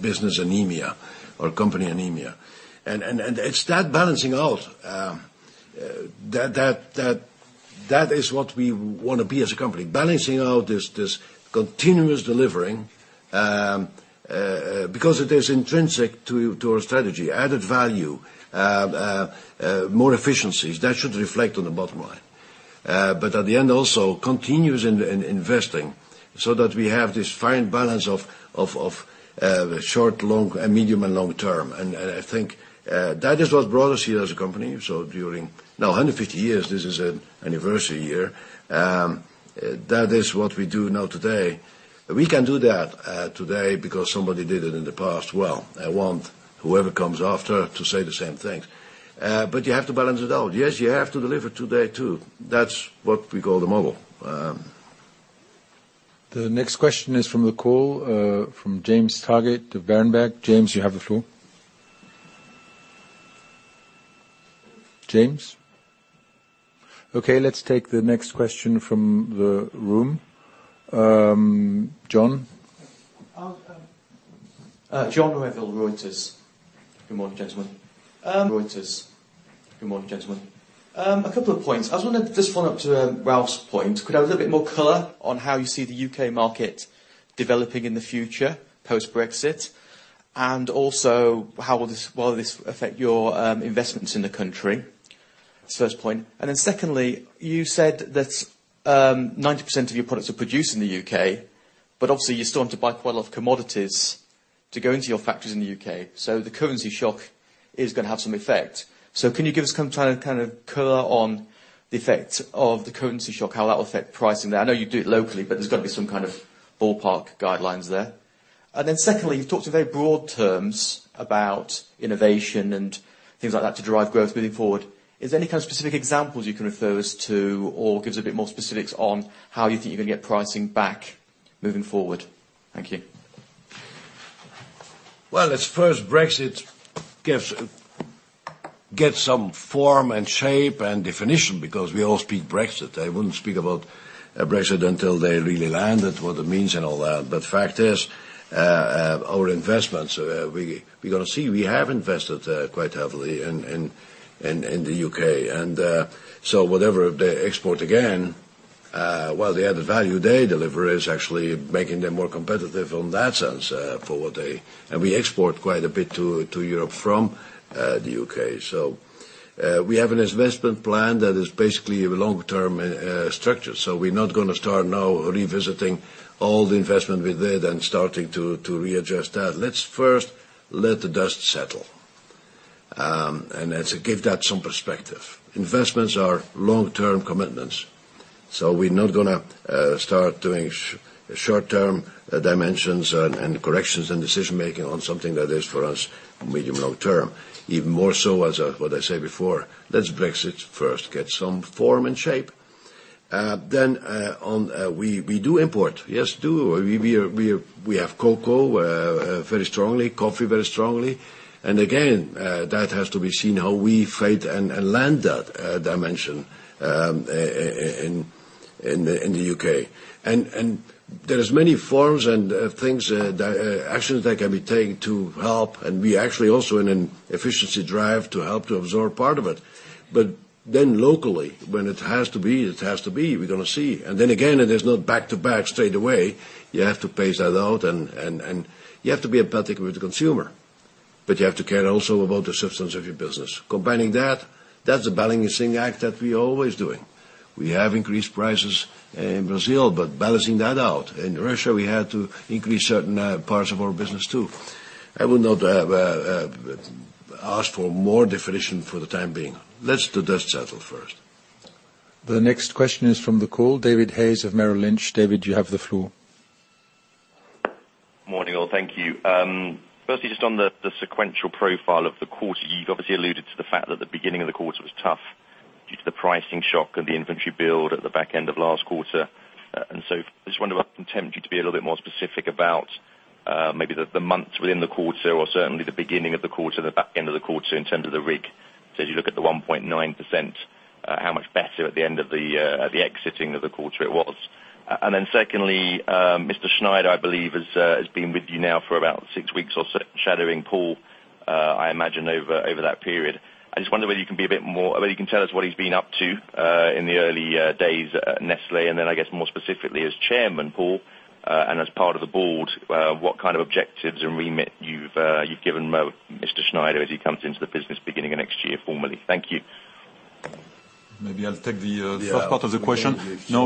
business anemia or company anemia. It's that balancing out That is what we want to be as a company, balancing out this continuous delivering, because it is intrinsic to our strategy, added value, more efficiencies. That should reflect on the bottom line. At the end also, continuous in investing so that we have this fine balance of short, medium, and long term. I think that is what brought us here as a company. During now 150 years, this is an anniversary year, that is what we do now today. We can do that today because somebody did it in the past well. I want whoever comes after to say the same thing. You have to balance it out. Yes, you have to deliver today, too. That's what we call the model. The next question is from the call, from James Targett of Berenberg. James, you have the floor. James? Okay, let's take the next question from the room. John? John Revill, Reuters. Good morning, gentlemen. A couple of points. I was wondering, just follow up to Ralph's point, could I have a little bit more color on how you see the U.K. market developing in the future post-Brexit? Also, how will this affect your investments in the country? That's the first point. Then secondly, you said that 90% of your products are produced in the U.K., but obviously you still want to buy quite a lot of commodities to go into your factories in the U.K. The currency shock is going to have some effect. Can you give us kind of color on the effect of the currency shock, how that will affect pricing there? I know you do it locally, but there's got to be some kind of ballpark guidelines there. Then secondly, you've talked in very broad terms about innovation and things like that to drive growth moving forward. Is there any kind of specific examples you can refer us to or give us a bit more specifics on how you think you're going to get pricing back moving forward? Thank you. Well, let's first Brexit get some form and shape and definition because we all speak Brexit. I wouldn't speak about Brexit until they really land it, what it means and all that. Fact is, our investments, we're going to see, we have invested quite heavily in the U.K. So whatever they export again, while the added value they deliver is actually making them more competitive in that sense, and we export quite a bit to Europe from the U.K. We have an investment plan that is basically a long-term structure. We're not going to start now revisiting all the investment we did and starting to readjust that. Let's first let the dust settle, and let's give that some perspective. Investments are long-term commitments, so we're not going to start doing short-term dimensions and corrections and decision-making on something that is, for us, medium-long term. Even more so, as what I said before, let Brexit first get some form and shape. We do import, yes, we do. We have cocoa very strongly, coffee very strongly. Again, that has to be seen how we fight and land that dimension in the U.K. There is many forms and actions that can be taken to help, and we actually also in an efficiency drive to help to absorb part of it. Then locally, when it has to be, it has to be. We're going to see. Then again, it is not back to back straight away. You have to pace that out, and you have to be empathetic with the consumer. You have to care also about the substance of your business. Combining that's the balancing act that we're always doing. We have increased prices in Brazil, but balancing that out. In Russia, we had to increase certain parts of our business, too. I would not ask for more definition for the time being. Let the dust settle first. The next question is from the call, David Hayes of Merrill Lynch. David, you have the floor. Morning all. Thank you. Firstly, just on the sequential profile of the quarter, you've obviously alluded to the fact that the beginning of the quarter was tough due to the pricing shock and the inventory build at the back end of last quarter. I just wonder whether I can tempt you to be a little bit more specific about maybe the months within the quarter or certainly the beginning of the quarter, the back end of the quarter in terms of the RIG. As you look at the 1.9%, how much better at the exiting of the quarter it was. Secondly, Mr. Schneider, I believe, has been with you now for about six weeks or so, shadowing Paul, I imagine, over that period. I just wonder whether you can tell us what he's been up to in the early days at Nestlé, and then I guess more specifically as chairman, Paul, and as part of the board, what kind of objectives and remit you've given Mr. Schneider as he comes into the business beginning of next year formally. Thank you. Maybe I'll take the first part of the question. Yeah.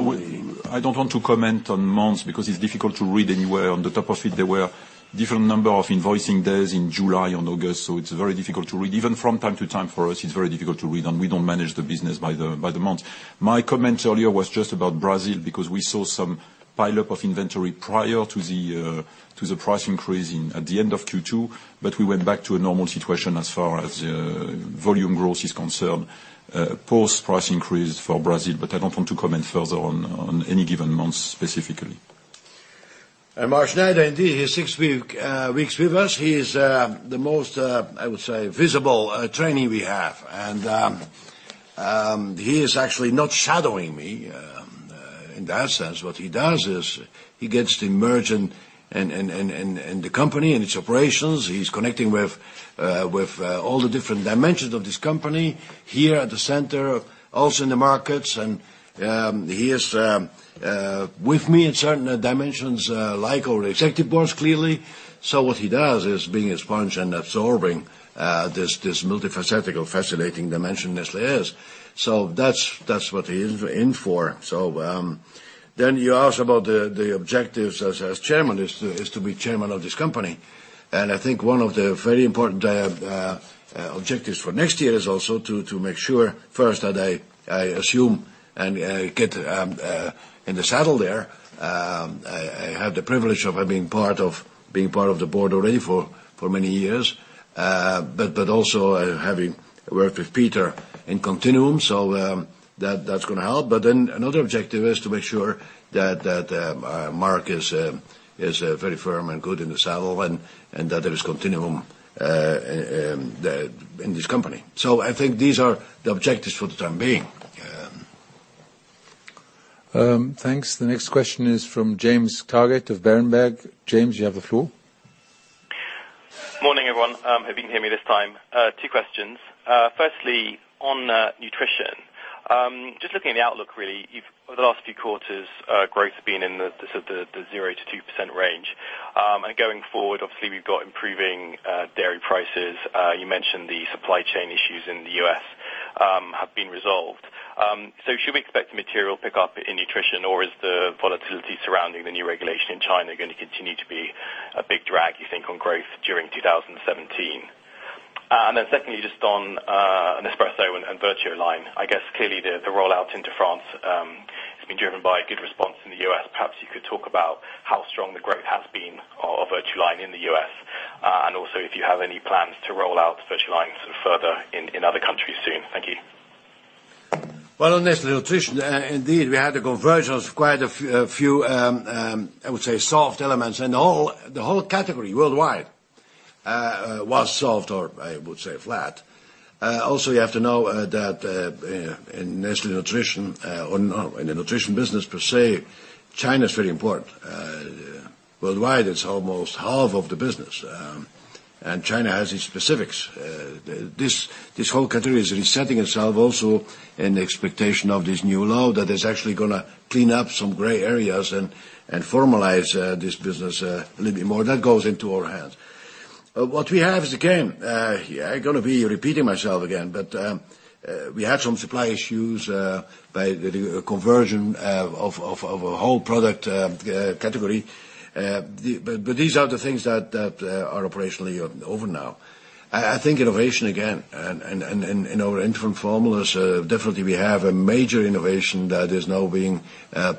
I don't want to comment on months because it's difficult to read anywhere. On the top of it, there were different number of invoicing days in July and August, it's very difficult to read. Even from time to time for us, it's very difficult to read, we don't manage the business by the month. My comment earlier was just about Brazil, because we saw some pileup of inventory prior to the price increase at the end of Q2, we went back to a normal situation as far as volume growth is concerned post price increase for Brazil. I don't want to comment further on any given month specifically. Mark Schneider, indeed, he is six weeks with us. He is the most, I would say, visible trainee we have. He is actually not shadowing me In that sense, what he does is he gets to immerse in the company and its operations. He's connecting with all the different dimensions of this company here at the center, also in the markets. He is with me in certain dimensions, like our executive boards, clearly. What he does is being a sponge and absorbing this multifaceted or fascinating dimension Nestlé is. That's what he is in for. You ask about the objectives as chairman is to be chairman of this company. I think one of the very important objectives for next year is also to make sure first that I assume and get in the saddle there. I have the privilege of being part of the board already for many years. Also having worked with Peter in Continuum, that's going to help. Another objective is to make sure that Mark is very firm and good in the saddle and that there is continuum in this company. I think these are the objectives for the time being. Thanks. The next question is from James Targett of Berenberg. James, you have the floor. Morning, everyone. Hope you can hear me this time. Two questions. Firstly, on Nutrition. Just looking at the outlook, really, the last few quarters growth have been in the zero to 2% range. Going forward, obviously, we've got improving dairy prices. You mentioned the supply chain issues in the U.S. have been resolved. Should we expect material pickup in Nutrition, or is the volatility surrounding the new regulation in China going to continue to be a big drag, you think, on growth during 2017? Secondly, just on Nespresso and VertuoLine, I guess clearly the rollouts into France has been driven by good response in the U.S. Perhaps you could talk about how strong the growth has been of VertuoLine in the U.S., and also if you have any plans to roll out VertuoLine further in other countries soon. Thank you. Well, on Nestlé Nutrition, indeed, we had a convergence of quite a few, I would say, soft elements. The whole category worldwide was soft or I would say flat. Also, you have to know that in Nestlé Nutrition or in the nutrition business per se, China is very important. Worldwide, it's almost half of the business. China has its specifics. This whole category is resetting itself also in expectation of this new law that is actually going to clean up some gray areas and formalize this business a little bit more. That goes into our hands. What we have is, again, I'm going to be repeating myself again, we had some supply issues by the conversion of a whole product category. These are the things that are operationally over now. I think innovation again, in our infant formulas, definitely we have a major innovation that is now being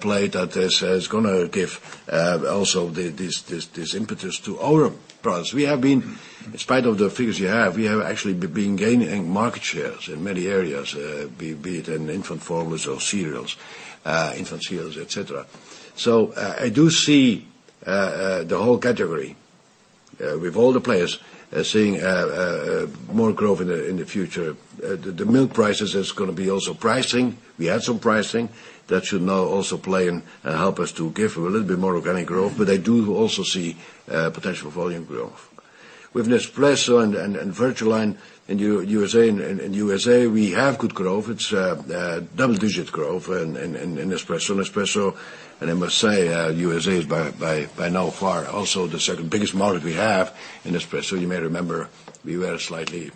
played, that is going to give also this impetus to our products. In spite of the figures you have, we have actually been gaining market shares in many areas, be it in infant formulas or infant cereals, et cetera. I do see the whole category with all the players seeing more growth in the future. The milk prices is going to be also pricing. We had some pricing that should now also play and help us to give a little bit more organic growth. I do also see potential volume growth. With Nespresso and VertuoLine in U.S.A., we have good growth. It's double-digit growth in Nespresso. I must say, U.S.A. is by now far also the second-biggest market we have in Nespresso. You may remember we were slightly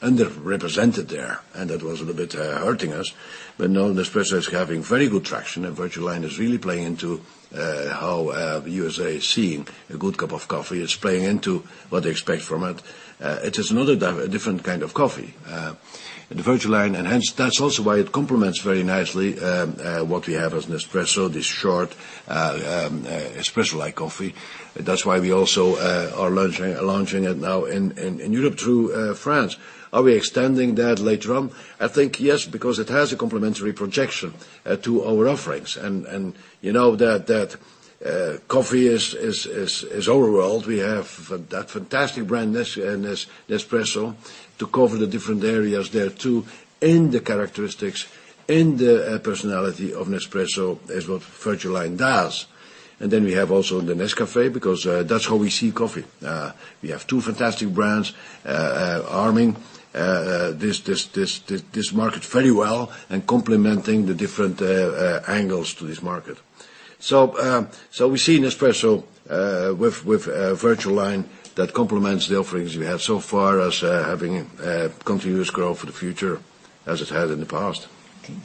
underrepresented there, that was a little bit hurting us. Now Nespresso is having very good traction, and VertuoLine is really playing into how U.S.A. is seeing a good cup of coffee, is playing into what they expect from it. It is another different kind of coffee, the VertuoLine enhanced. That's also why it complements very nicely what we have as Nespresso, this short espresso-like coffee. That's why we also are launching it now in Europe through France. Are we extending that later on? I think yes, because it has a complementary projection to our offerings. You know that coffee is our world. We have that fantastic brand, Nespresso, to cover the different areas there, too, and the characteristics and the personality of Nespresso is what VertuoLine does. Then we have also the Nescafé, because that's how we see coffee. We have two fantastic brands arming this market very well and complementing the different angles to this market. We see Nespresso with VertuoLine that complements the offerings we have so far as having continuous growth for the future as it had in the past.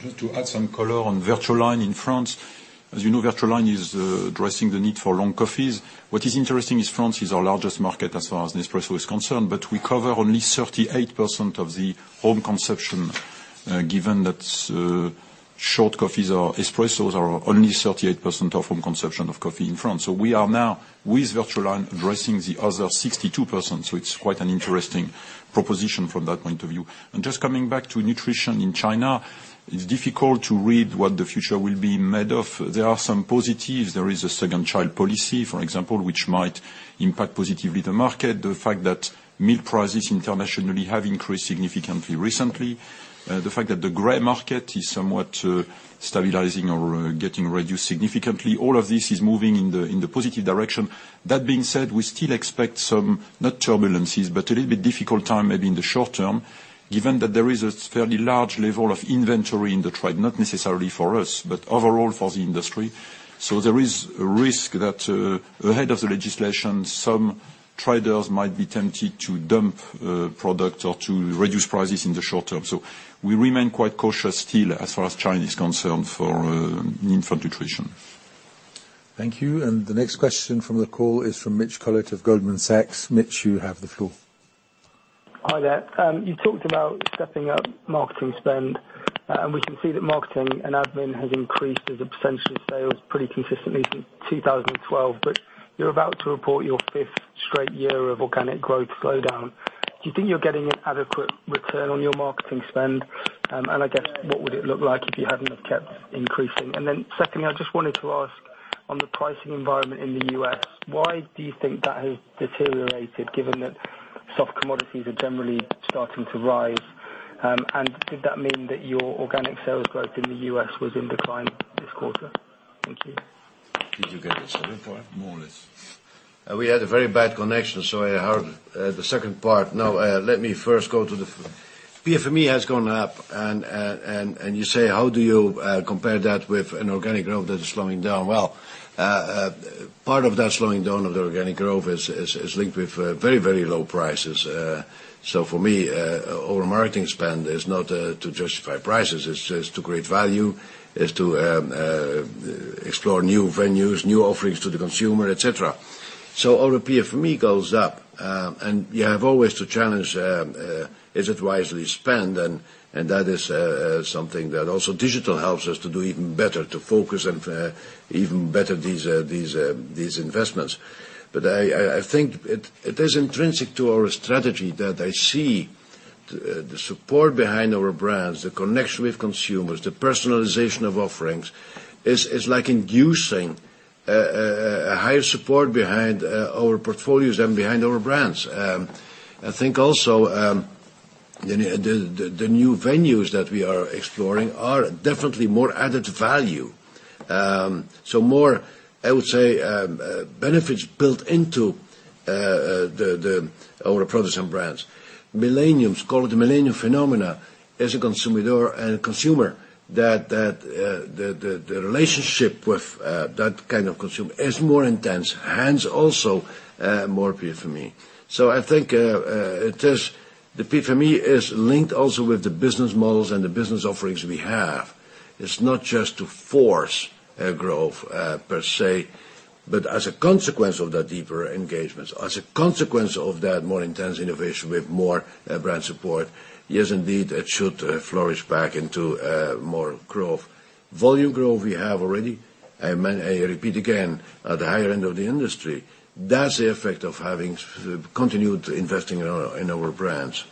Just to add some color on VertuoLine in France. As you know, VertuoLine is addressing the need for long coffees. What is interesting is France is our largest market as far as Nespresso is concerned, but we cover only 38% of the home consumption, given that short coffees or espressos are only 38% of home consumption of coffee in France. We are now, with VertuoLine, addressing the other 62%. It's quite an interesting proposition from that point of view. Just coming back to nutrition in China, it's difficult to read what the future will be made of. There are some positives. There is a second child policy, for example, which might impact positively the market. The fact that milk prices internationally have increased significantly recently. The fact that the gray market is somewhat stabilizing or getting reduced significantly. All of this is moving in the positive direction. That being said, we still expect some, not turbulences, but a little bit difficult time maybe in the short term, given that there is a fairly large level of inventory in the trade, not necessarily for us, but overall for the industry. There is a risk that ahead of the legislation, some traders might be tempted to dump product or to reduce prices in the short term. We remain quite cautious still as far as China is concerned for infant nutrition. Thank you. The next question from the call is from Mitch Collett of Goldman Sachs. Mitch, you have the floor. Hi there. You talked about stepping up marketing spend, we can see that marketing and admin has increased as a percentage of sales pretty consistently since 2012. You're about to report your fifth straight year of organic growth slowdown. Do you think you're getting an adequate return on your marketing spend? I guess what would it look like if you hadn't have kept increasing? Secondly, I just wanted to ask on the pricing environment in the U.S., why do you think that has deteriorated given that soft commodities are generally starting to rise? Did that mean that your organic sales growth in the U.S. was in decline this quarter? Thank you. Did you get the second part? More or less. We had a very bad connection, so I heard the second part. Let me first go to the PFME has gone up, you say, how do you compare that with an organic growth that is slowing down? Part of that slowing down of the organic growth is linked with very low prices. For me, our marketing spend is not to justify prices, it's just to create value, is to explore new venues, new offerings to the consumer, et cetera. Our PFME goes up. You have always to challenge, is it wisely spent? That is something that also digital helps us to do even better, to focus and even better these investments. I think it is intrinsic to our strategy that I see the support behind our brands, the connection with consumers, the personalization of offerings, is like inducing a higher support behind our portfolios and behind our brands. I think also, the new venues that we are exploring are definitely more added value. More, I would say, benefits built into our products and brands. Millennials, call it the millennial phenomena, as a consumer, the relationship with that kind of consumer is more intense, hence also more PFME. I think the PFME is linked also with the business models and the business offerings we have. It's not just to force growth per se, but as a consequence of that deeper engagements, as a consequence of that more intense innovation with more brand support, yes, indeed, it should flourish back into more growth. Volume growth we have already, I repeat again, at the higher end of the industry. That's the effect of having continued investing in our brands.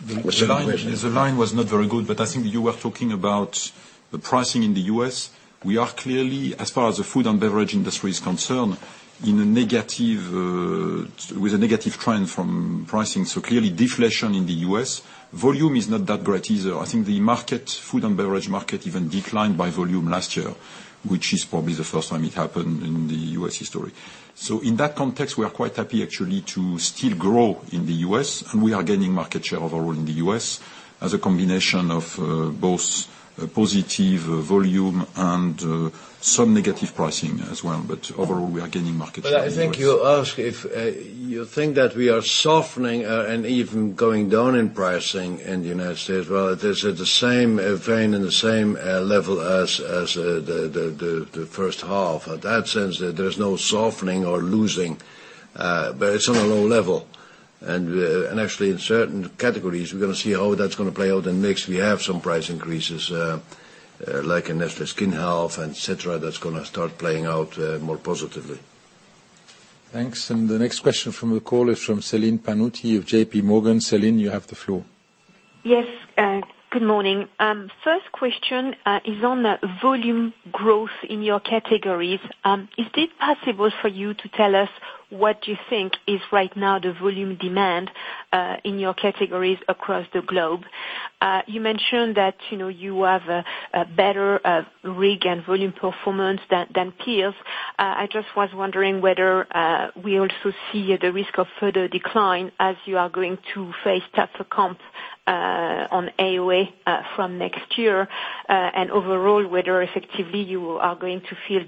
The question- I think you were talking about the pricing in the U.S. We are clearly, as far as the food and beverage industry is concerned, with a negative trend from pricing. Clearly, deflation in the U.S. Volume is not that great either. I think the food and beverage market even declined by volume last year, which is probably the first time it happened in the U.S. history. In that context, we are quite happy actually to still grow in the U.S., and we are gaining market share overall in the U.S. as a combination of both positive volume and some negative pricing as well. Overall, we are gaining market share in the U.S. I think you ask if you think that we are softening and even going down in pricing in the U.S. Well, it is at the same vein and the same level as the first half. At that sense, there is no softening or losing, but it's on a low level. Actually, in certain categories, we're going to see how that's going to play out in mix. We have some price increases, like in Nestlé Skin Health, et cetera, that's going to start playing out more positively. Thanks. The next question from the call is from Céline Pannuti of J.P. Morgan. Céline, you have the floor. Yes. Good morning. First question is on volume growth in your categories. Is it possible for you to tell us what you think is right now the volume demand in your categories across the globe? You mentioned that you have a better RIG and volume performance than peers. I just was wondering whether we also see the risk of further decline as you are going to face tougher comps on AOA from next year. Overall, whether effectively you are going to feel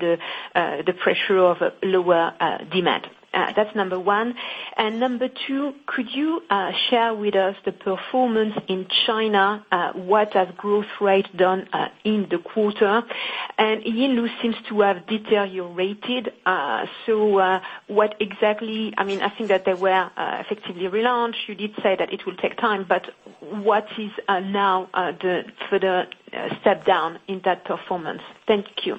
the pressure of lower demand. That's number 1. Number 2, could you share with us the performance in China? What has growth rate done in the quarter? Yinlu seems to have deteriorated. I think that they were effectively relaunched. You did say that it will take time, but what is now the further step down in that performance? Thank you.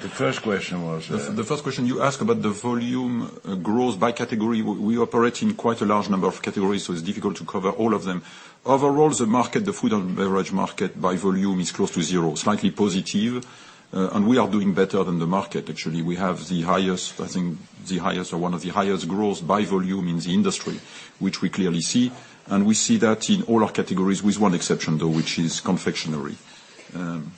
The first question was? The first question you ask about the volume growth by category. We operate in quite a large number of categories, so it's difficult to cover all of them. Overall, the market, the food and beverage market by volume is close to zero, slightly positive. We are doing better than the market, actually. We have the highest, I think, the highest or one of the highest growths by volume in the industry, which we clearly see. We see that in all our categories with one exception, though, which is confectionery.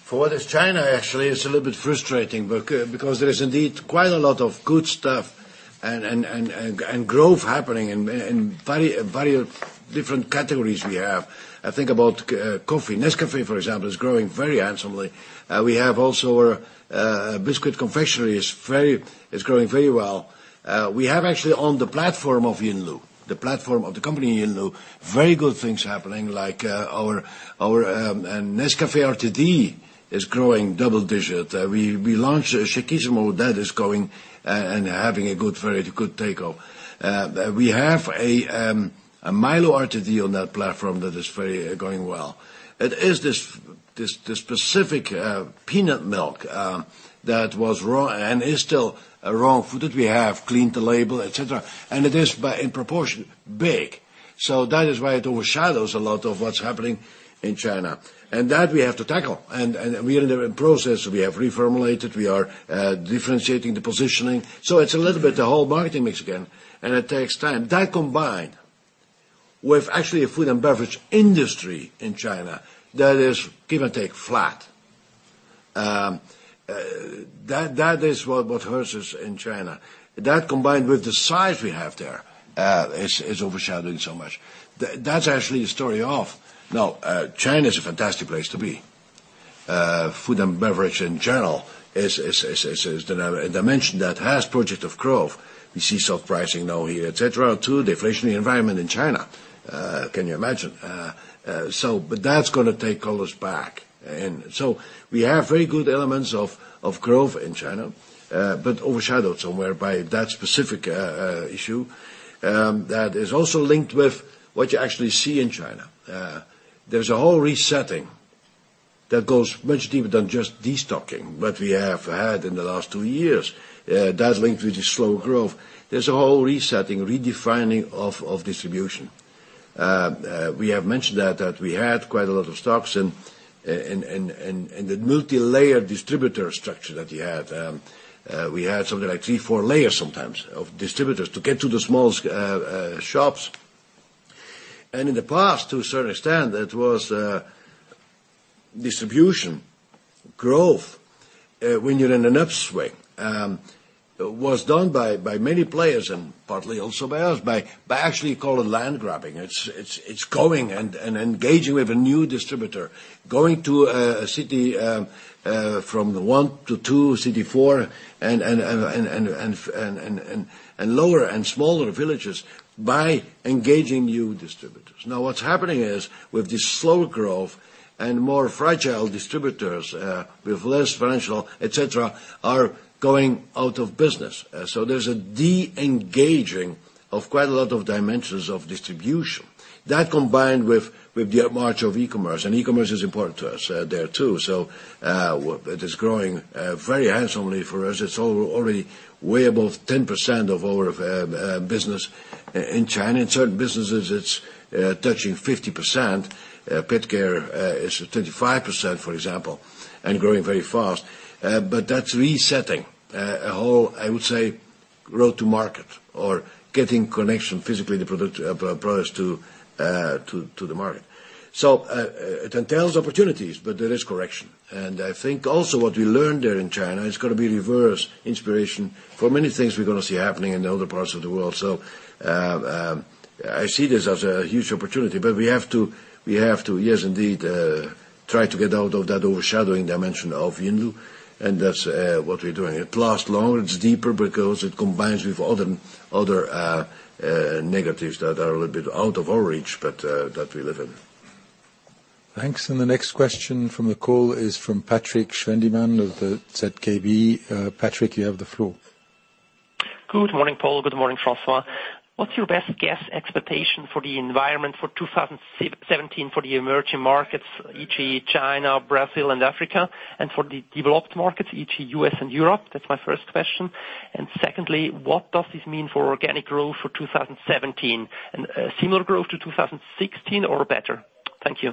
For what is China, actually, it's a little bit frustrating because there is indeed quite a lot of good stuff and growth happening in very different categories we have. I think about coffee. Nescafé, for example, is growing very handsomely. We have also our biscuit confectionery is growing very well. We have actually on the platform of Yinlu, the platform of the company Yinlu, very good things happening like our Nescafé RTD is growing double-digit. We launched Shakissimo, that is growing and having a very good takeoff. We have a Milo RTD on that platform that is going very well. It is this specific peanut milk that was, and is still, wrong footed. We have cleaned the label, et cetera, and it is in proportion big. That is why it overshadows a lot of what's happening in China. That we have to tackle, and we are in the process. We have reformulated, we are differentiating the positioning. It's a little bit the whole marketing mix again, and it takes time. That combined with actually a food and beverage industry in China that is give or take flat. That is what hurts us in China. That combined with the size we have there is overshadowing so much. That's actually a story of Now China is a fantastic place to be. Food and beverage in general is a dimension that has prospect of growth. We see soft pricing now here, et cetera, too. Deflationary environment in China. Can you imagine? That's going to take colors back. We have very good elements of growth in China, but overshadowed somewhere by that specific issue that is also linked with what you actually see in China. There's a whole resetting that goes much deeper than just destocking, what we have had in the last two years. That linked with the slow growth. There's a whole resetting, redefining of distribution. We have mentioned that we had quite a lot of stocks and that multilayer distributor structure that we had. We had something like three, four layers sometimes of distributors to get to the small shops. In the past, to a certain extent, that was distribution growth. When you're in an upswing. Was done by many players and partly also by us, by actually call it land grabbing. It's going and engaging with a new distributor, going to a city from one to two, city four, and lower and smaller villages by engaging new distributors. What's happening is with this slow growth and more fragile distributors with less financial et cetera, are going out of business. There's a de-engaging of quite a lot of dimensions of distribution. That combined with the march of e-commerce, e-commerce is important to us there, too. It is growing very handsomely for us. It's already way above 10% of our business in China. In certain businesses, it's touching 50%. Pet Care is at 35%, for example, and growing very fast. That's resetting a whole, I would say, road to market or getting connection physically the products to the market. It entails opportunities, but there is correction. I think also what we learned there in China is going to be reverse inspiration for many things we're going to see happening in the other parts of the world. I see this as a huge opportunity, but we have to, yes indeed, try to get out of that overshadowing dimension of Yinlu, and that's what we're doing. It lasts longer, it's deeper because it combines with other negatives that are a little bit out of our reach, but that we live in. Thanks. The next question from the call is from Patrik Schwendimann of the ZKB. Patrik, you have the floor. Good morning, Paul. Good morning, François. What's your best guess expectation for the environment for 2017 for the emerging markets, e.g. China, Brazil, and Africa, and for the developed markets, e.g. U.S. and Europe? That's my first question. Secondly, what does this mean for organic growth for 2017? Similar growth to 2016 or better? Thank you.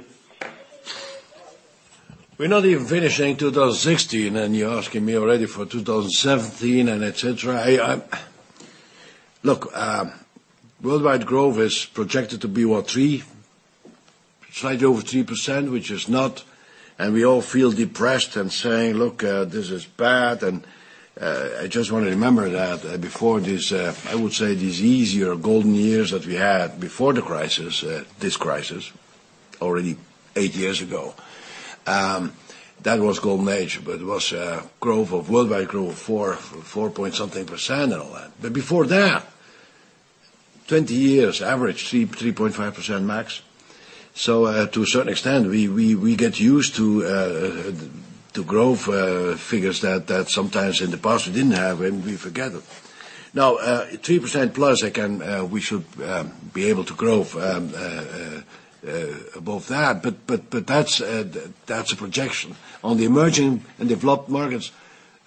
We're not even finishing 2016, you're asking me already for 2017 and et cetera. Look, worldwide growth is projected to be what, three? Slightly over 3%, which is not We all feel depressed and saying, "Look, this is bad." I just want to remember that before this, I would say these easier golden years that we had before the crisis, this crisis, already eight years ago. That was golden age, but it was a worldwide growth of four point something percent and all that. Before that 20 years average, 3.5% max. To a certain extent, we get used to growth figures that sometimes in the past we didn't have, and we forget them. Now, 3% plus, again, we should be able to grow above that. That's a projection. On the emerging and developed markets,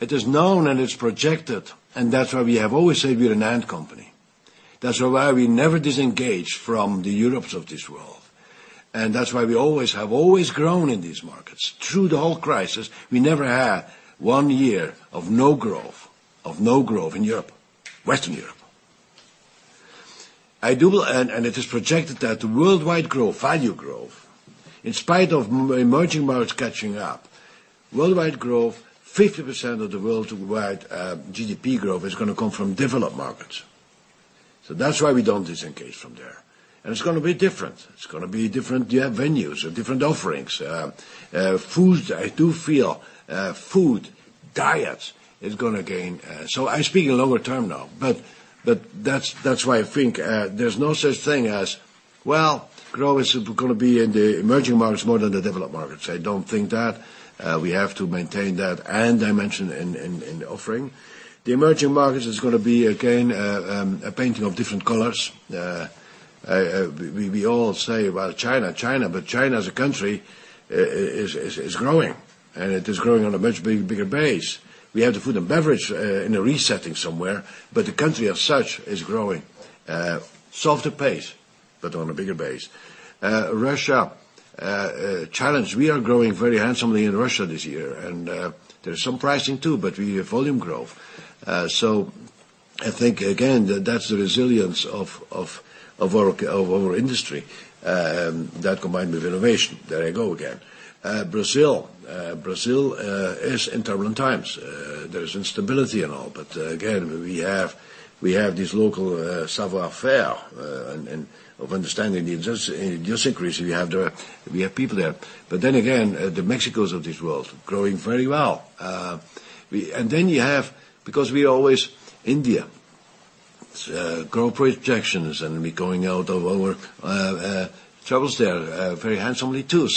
it is known and it's projected, and that's why we have always said we are an and company. That's why we never disengage from the Europes of this world. That's why we have always grown in these markets. Through the whole crisis, we never had one year of no growth in Europe, Western Europe. It is projected that the worldwide growth, value growth, in spite of emerging markets catching up, worldwide growth, 50% of the worldwide GDP growth is going to come from developed markets. That's why we don't disengage from there. It's going to be different. It's going to be different venues or different offerings. I do feel food, diets is going to gain. I'm speaking longer term now, that's why I think there's no such thing as, well, growth is going to be in the emerging markets more than the developed markets. I don't think that. We have to maintain that and dimension in the offering. The emerging markets is going to be, again, a painting of different colors. We all say, "Well, China." China as a country is growing, and it is growing on a much bigger base. We have the food and beverage in a resetting somewhere, the country as such is growing. Slower pace, on a bigger base. Russia, a challenge. We are growing very handsomely in Russia this year, and there's some pricing too, we have volume growth. I think, again, that's the resilience of our industry, that combined with innovation. There I go again. Brazil is in turbulent times. There is instability and all, but again, we have this local savoir faire of understanding the intricacies. We have people there. Again, the Mexicos of this world, growing very well. You have, because we are always India, growth projections, and we're going out of our troubles there very handsomely too.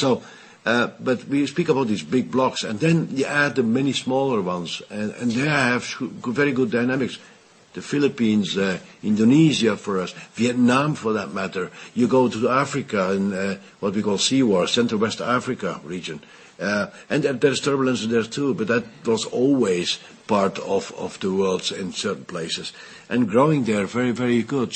We speak about these big blocks, and then you add the many smaller ones, and they have very good dynamics. The Philippines, Indonesia for us, Vietnam for that matter. You go to Africa in what we call CWA, Central West Africa region. There's turbulence there, too, but that was always part of the worlds in certain places. Growing there, very, very good.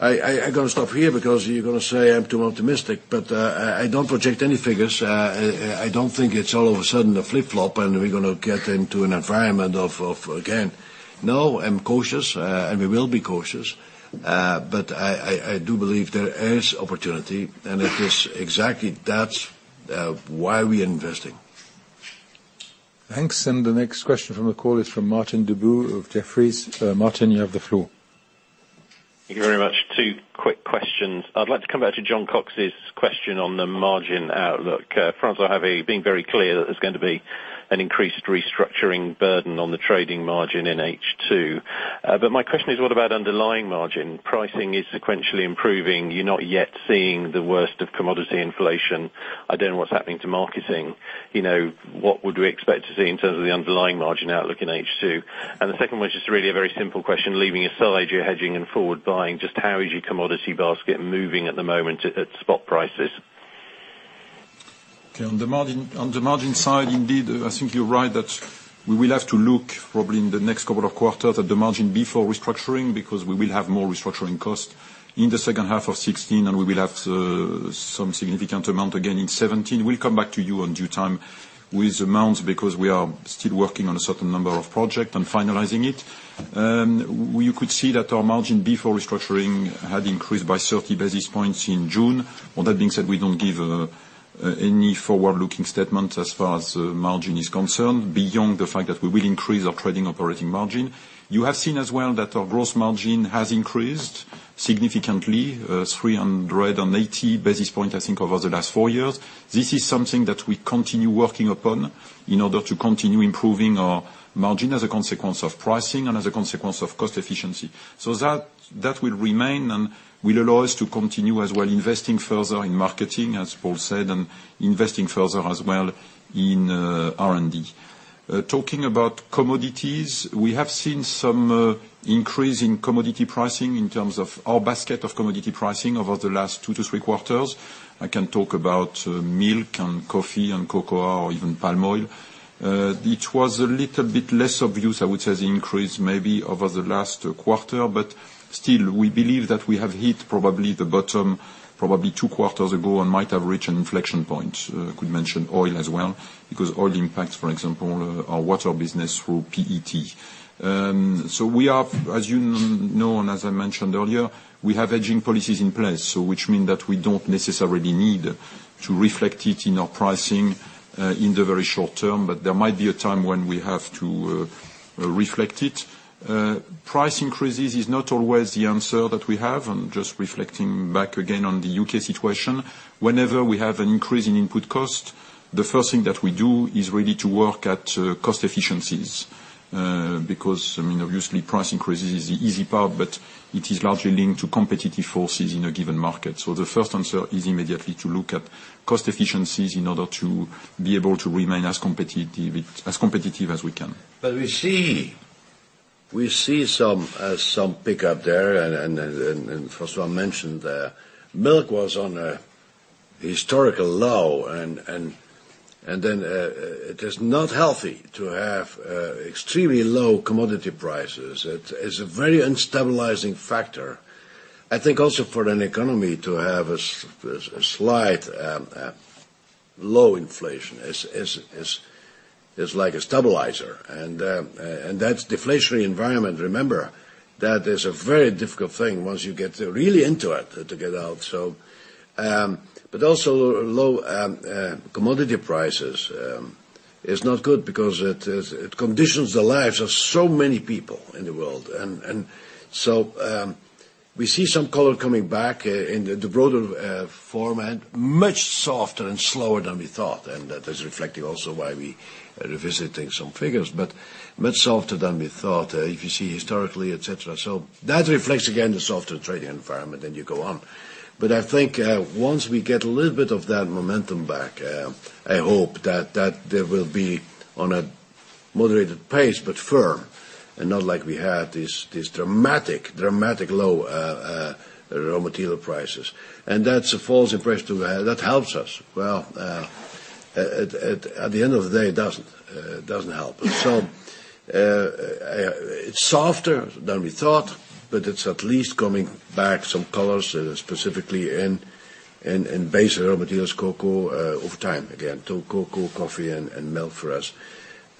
I got to stop here because you're going to say I'm too optimistic, but I don't project any figures. I don't think it's all of a sudden a flip-flop and we're going to get into an environment of. No, I'm cautious, and we will be cautious. I do believe there is opportunity, and it is exactly that why we are investing. Thanks. The next question from the call is from Martin Deboo of Jefferies. Martin, you have the floor. Thank you very much. Two quick questions. I'd like to come back to Jon Cox's question on the margin outlook. François, having been very clear that there's going to be an increased restructuring burden on the trading margin in H2. My question is, what about underlying margin? Pricing is sequentially improving. You're not yet seeing the worst of commodity inflation. I don't know what's happening to marketing. What would we expect to see in terms of the underlying margin outlook in H2? The second one is just really a very simple question, leaving aside your hedging and forward buying, just how is your commodity basket moving at the moment at spot prices? Okay. On the margin side, indeed, I think you're right that we will have to look probably in the next couple of quarters at the margin before restructuring, because we will have more restructuring costs in the second half of 2016, and we will have some significant amount again in 2017. We'll come back to you in due time with amounts because we are still working on a certain number of projects and finalizing it. You could see that our margin before restructuring had increased by 30 basis points in June. That being said, we don't give any forward-looking statement as far as margin is concerned, beyond the fact that we will increase our trading operating margin. You have seen as well that our growth margin has increased significantly, 380 basis points, I think, over the last four years. This is something that we continue working upon in order to continue improving our margin as a consequence of pricing and as a consequence of cost efficiency. That will remain and will allow us to continue as well investing further in marketing, as Paul said, and investing further as well in R&D. Talking about commodities, we have seen some increase in commodity pricing in terms of our basket of commodity pricing over the last two to three quarters. I can talk about milk and coffee and cocoa or even palm oil. It was a little bit less obvious, I would say, the increase maybe over the last quarter. Still, we believe that we have hit probably the bottom probably two quarters ago and might have reached an inflection point. Could mention oil as well because oil impacts, for example, our water business through PET. We are, as you know, and as I mentioned earlier, we have hedging policies in place. Which means that we don't necessarily need to reflect it in our pricing in the very short term, but there might be a time when we have to reflect it. Price increases is not always the answer that we have. I'm just reflecting back again on the U.K. situation. Whenever we have an increase in input cost, the first thing that we do is really to work at cost efficiencies. Obviously price increases is the easy part, but it is largely linked to competitive forces in a given market. The first answer is immediately to look at cost efficiencies in order to be able to remain as competitive as we can. We see some pickup there, François mentioned milk was on a historical low. It is not healthy to have extremely low commodity prices. It is a very unstabilizing factor. I think also for an economy to have a slight low inflation is like a stabilizer, that deflationary environment, remember, that is a very difficult thing once you get really into it, to get out. Also low commodity prices is not good because it conditions the lives of so many people in the world. We see some color coming back in the broader format, much softer and slower than we thought, that is reflecting also why we are revisiting some figures, but much softer than we thought if you see historically, et cetera. That reflects again, the softer trading environment, and you go on. I think once we get a little bit of that momentum back, I hope that they will be on a moderated pace, but firm and not like we had these dramatic low raw material prices. That's a false impression to have. That helps us. Well, at the end of the day, it doesn't help. It's softer than we thought, but it's at least coming back some colors specifically in base raw materials, cocoa, over time again, cocoa, coffee, and milk for us.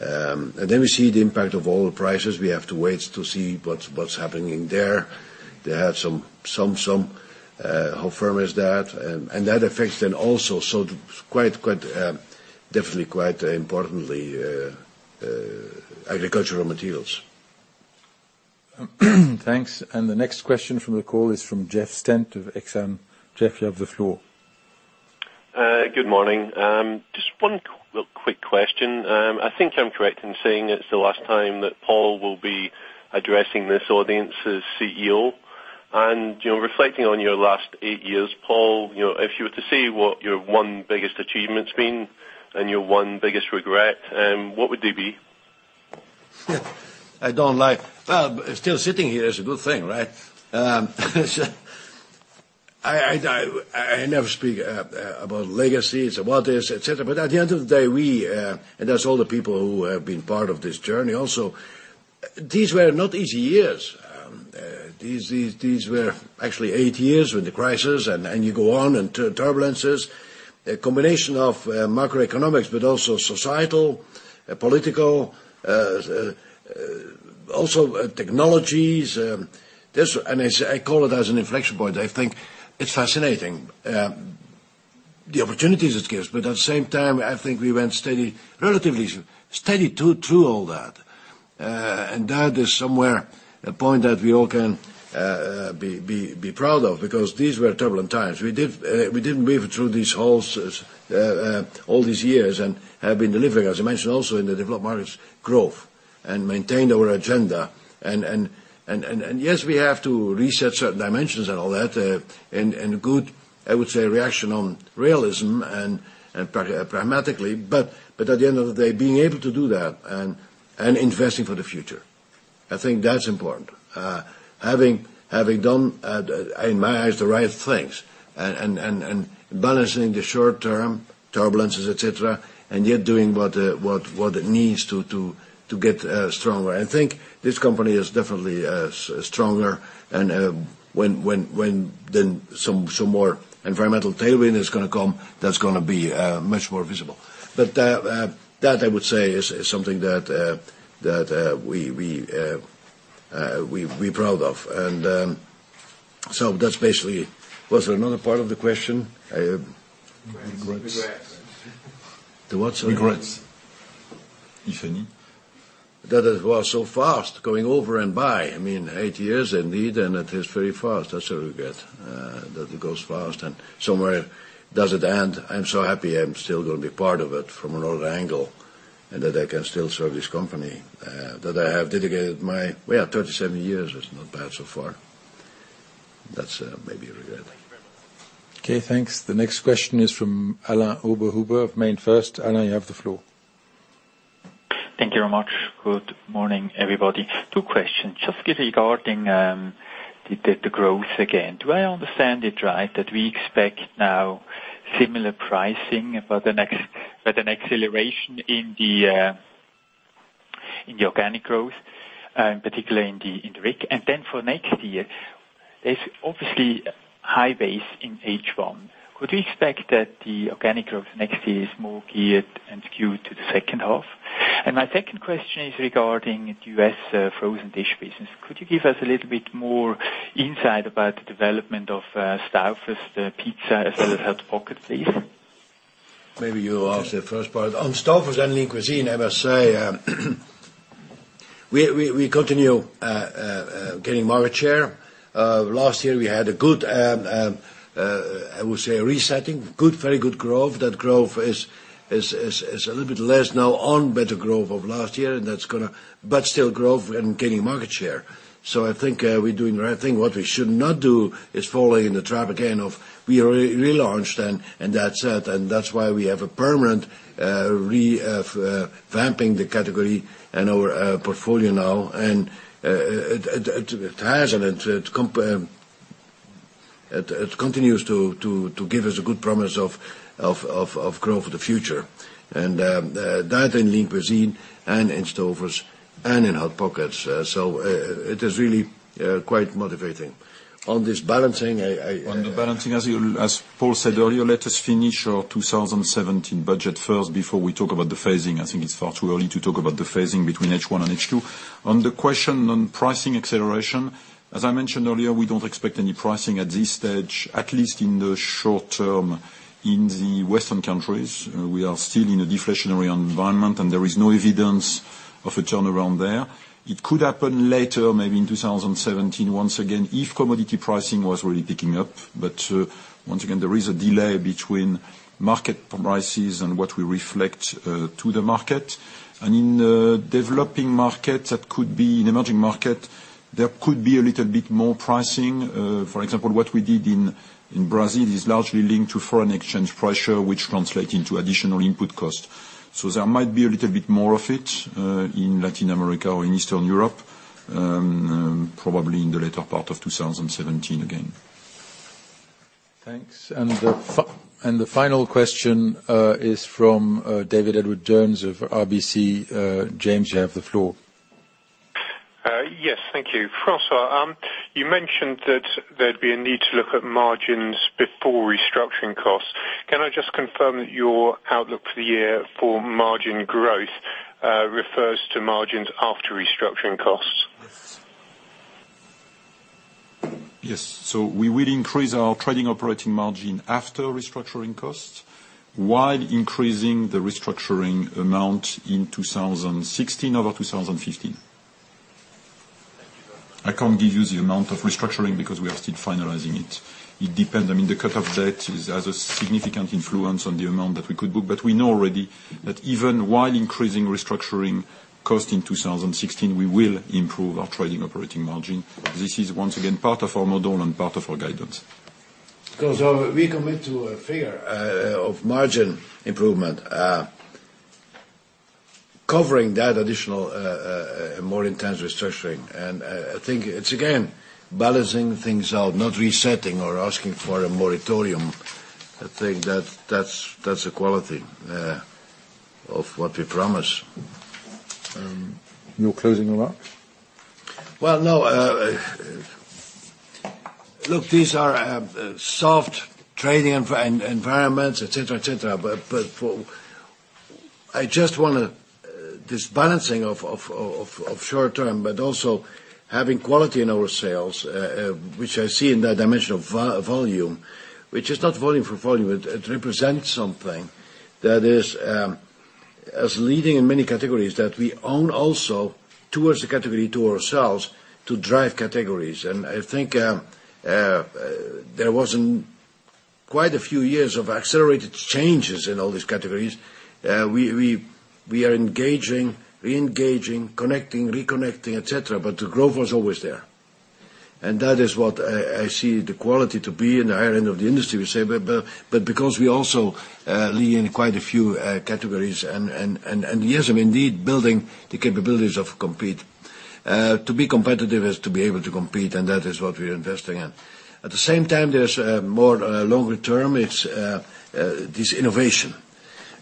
We see the impact of oil prices. We have to wait to see what's happening there. They had some, how firm is that? That affects then also so definitely quite importantly agricultural materials. Thanks. The next question from the call is from Jeff Stent of Exane. Jeff, you have the floor. Good morning. Just one real quick question. I think I'm correct in saying it's the last time that Paul will be addressing this audience as CEO. Reflecting on your last eight years, Paul, if you were to say what your one biggest achievement's been and your one biggest regret, what would they be? I don't like Well, still sitting here is a good thing, right? I never speak about legacies or what is et cetera, but at the end of the day, we, and that's all the people who have been part of this journey also, these were not easy years. These were actually 8 years with the crisis, and you go on and turbulences, a combination of macroeconomics, but also societal, political, also technologies. I call it as an inflection point. I think it's fascinating the opportunities it gives, but at the same time, I think we went relatively steady through all that. That is somewhere a point that we all can be proud of because these were turbulent times. We did weave through these woes all these years and have been delivering, as I mentioned, also in the developed markets growth and maintained our agenda. Yes, we have to reset certain dimensions and all that, and good, I would say, reaction on realism and pragmatically. At the end of the day, being able to do that and investing for the future, I think that's important. Having done, in my eyes, the right things and balancing the short term turbulences, et cetera, and yet doing what needs to get stronger. I think this company is definitely stronger. When then some more environmental tailwind is going to come, that's going to be much more visible. That I would say is something that we're proud of. So that's basically it. Was there another part of the question? Regrets. The what, sorry? Regrets. If any. That it was so fast going over and by. Eight years indeed, and it is very fast. That's a regret, that it goes fast and somewhere does it end. I'm so happy I'm still going to be part of it from another angle, and that I can still serve this company, that I have dedicated my, well, 37 years is not bad so far. That's maybe a regret. Thank you very much. Okay, thanks. The next question is from Alain Oberhuber of MainFirst. Alain, you have the floor. Thank you very much. Good morning, everybody. Two questions. Just regarding the growth again, do I understand it right that we expect now similar pricing but an acceleration in the organic growth, in particular in the RIG? Then for next year, there's obviously high base in H1. Could we expect that the organic growth next year is more geared and skewed to the second half? My second question is regarding the U.S. frozen dish business. Could you give us a little bit more insight about the development of Stouffer's, the pizza as well as Hot Pockets, please? Maybe you ask the first part. On Stouffer's and Lean Cuisine, I must say, we continue gaining market share. Last year we had a good, I would say resetting. Very good growth. That growth is a little bit less now on better growth of last year, but still growth and gaining market share. I think we're doing the right thing. What we should not do is fall in the trap again of we already relaunched and that's it. That's why we have a permanent revamping the category in our portfolio now, and it has and it continues to give us a good promise of growth for the future. That in Lean Cuisine and in Stouffer's and in Hot Pockets. It is really quite motivating. On this balancing, I- On the balancing, as Paul said earlier, let us finish our 2017 budget first before we talk about the phasing. I think it's far too early to talk about the phasing between H1 and H2. On the question on pricing acceleration, as I mentioned earlier, we don't expect any pricing at this stage, at least in the short term. In the Western countries, we are still in a deflationary environment, there is no evidence of a turnaround there. It could happen later, maybe in 2017, once again, if commodity pricing was really picking up. Once again, there is a delay between market prices and what we reflect to the market. In the developing market, in emerging market, there could be a little bit more pricing. For example, what we did in Brazil is largely linked to foreign exchange pressure, which translate into additional input cost. There might be a little bit more of it in Latin America or in Eastern Europe, probably in the later part of 2017 again. Thanks. The final question is from James Edwardes Jones of RBC. James, you have the floor. Yes. Thank you. François, you mentioned that there'd be a need to look at margins before restructuring costs. Can I just confirm that your outlook for the year for margin growth refers to margins after restructuring costs? Yes. We will increase our trading operating margin after restructuring costs, while increasing the restructuring amount in 2016 over 2015. Thank you. I can't give you the amount of restructuring because we are still finalizing it. It depends. The cut of debt has a significant influence on the amount that we could book, but we know already that even while increasing restructuring cost in 2016, we will improve our trading operating margin. This is once again part of our model and part of our guidance. We commit to a figure of margin improvement, covering that additional more intense restructuring. I think it's, again, balancing things out, not resetting or asking for a moratorium. I think that's the quality of what we promise. You're closing the mark? Well, no. Look, these are soft trading environments, et cetera. This balancing of short term, but also having quality in our sales, which I see in the dimension of volume, which is not volume for volume. It represents something that is as leading in many categories that we own also towards the category, to ourselves, to drive categories. I think there was quite a few years of accelerated changes in all these categories. We are engaging, reengaging, connecting, reconnecting, et cetera, but the growth was always there. That is what I see the quality to be in the higher end of the industry, we say. Because we also lead in quite a few categories, and years of indeed building the capabilities of compete. To be competitive is to be able to compete, and that is what we are investing in. At the same time, there's more longer term, it's this innovation.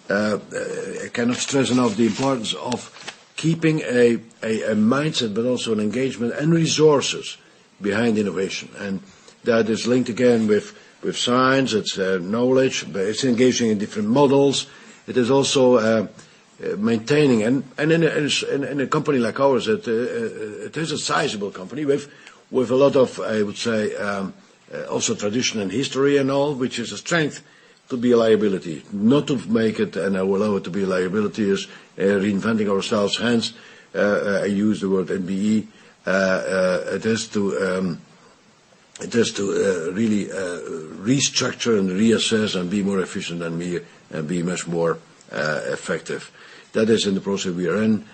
I cannot stress enough the importance of keeping a mindset, but also an engagement and resources behind innovation. That is linked again with science. It's knowledge. It's engaging in different models. It is also maintaining, and in a company like ours, it is a sizable company with a lot of, I would say, also tradition and history and all, which is a strength to be a liability. Not to make it and allow it to be a liability is reinventing ourselves, hence I use the word NBE. It is to really restructure and reassess and be more efficient and be much more effective. That is in the process we are in.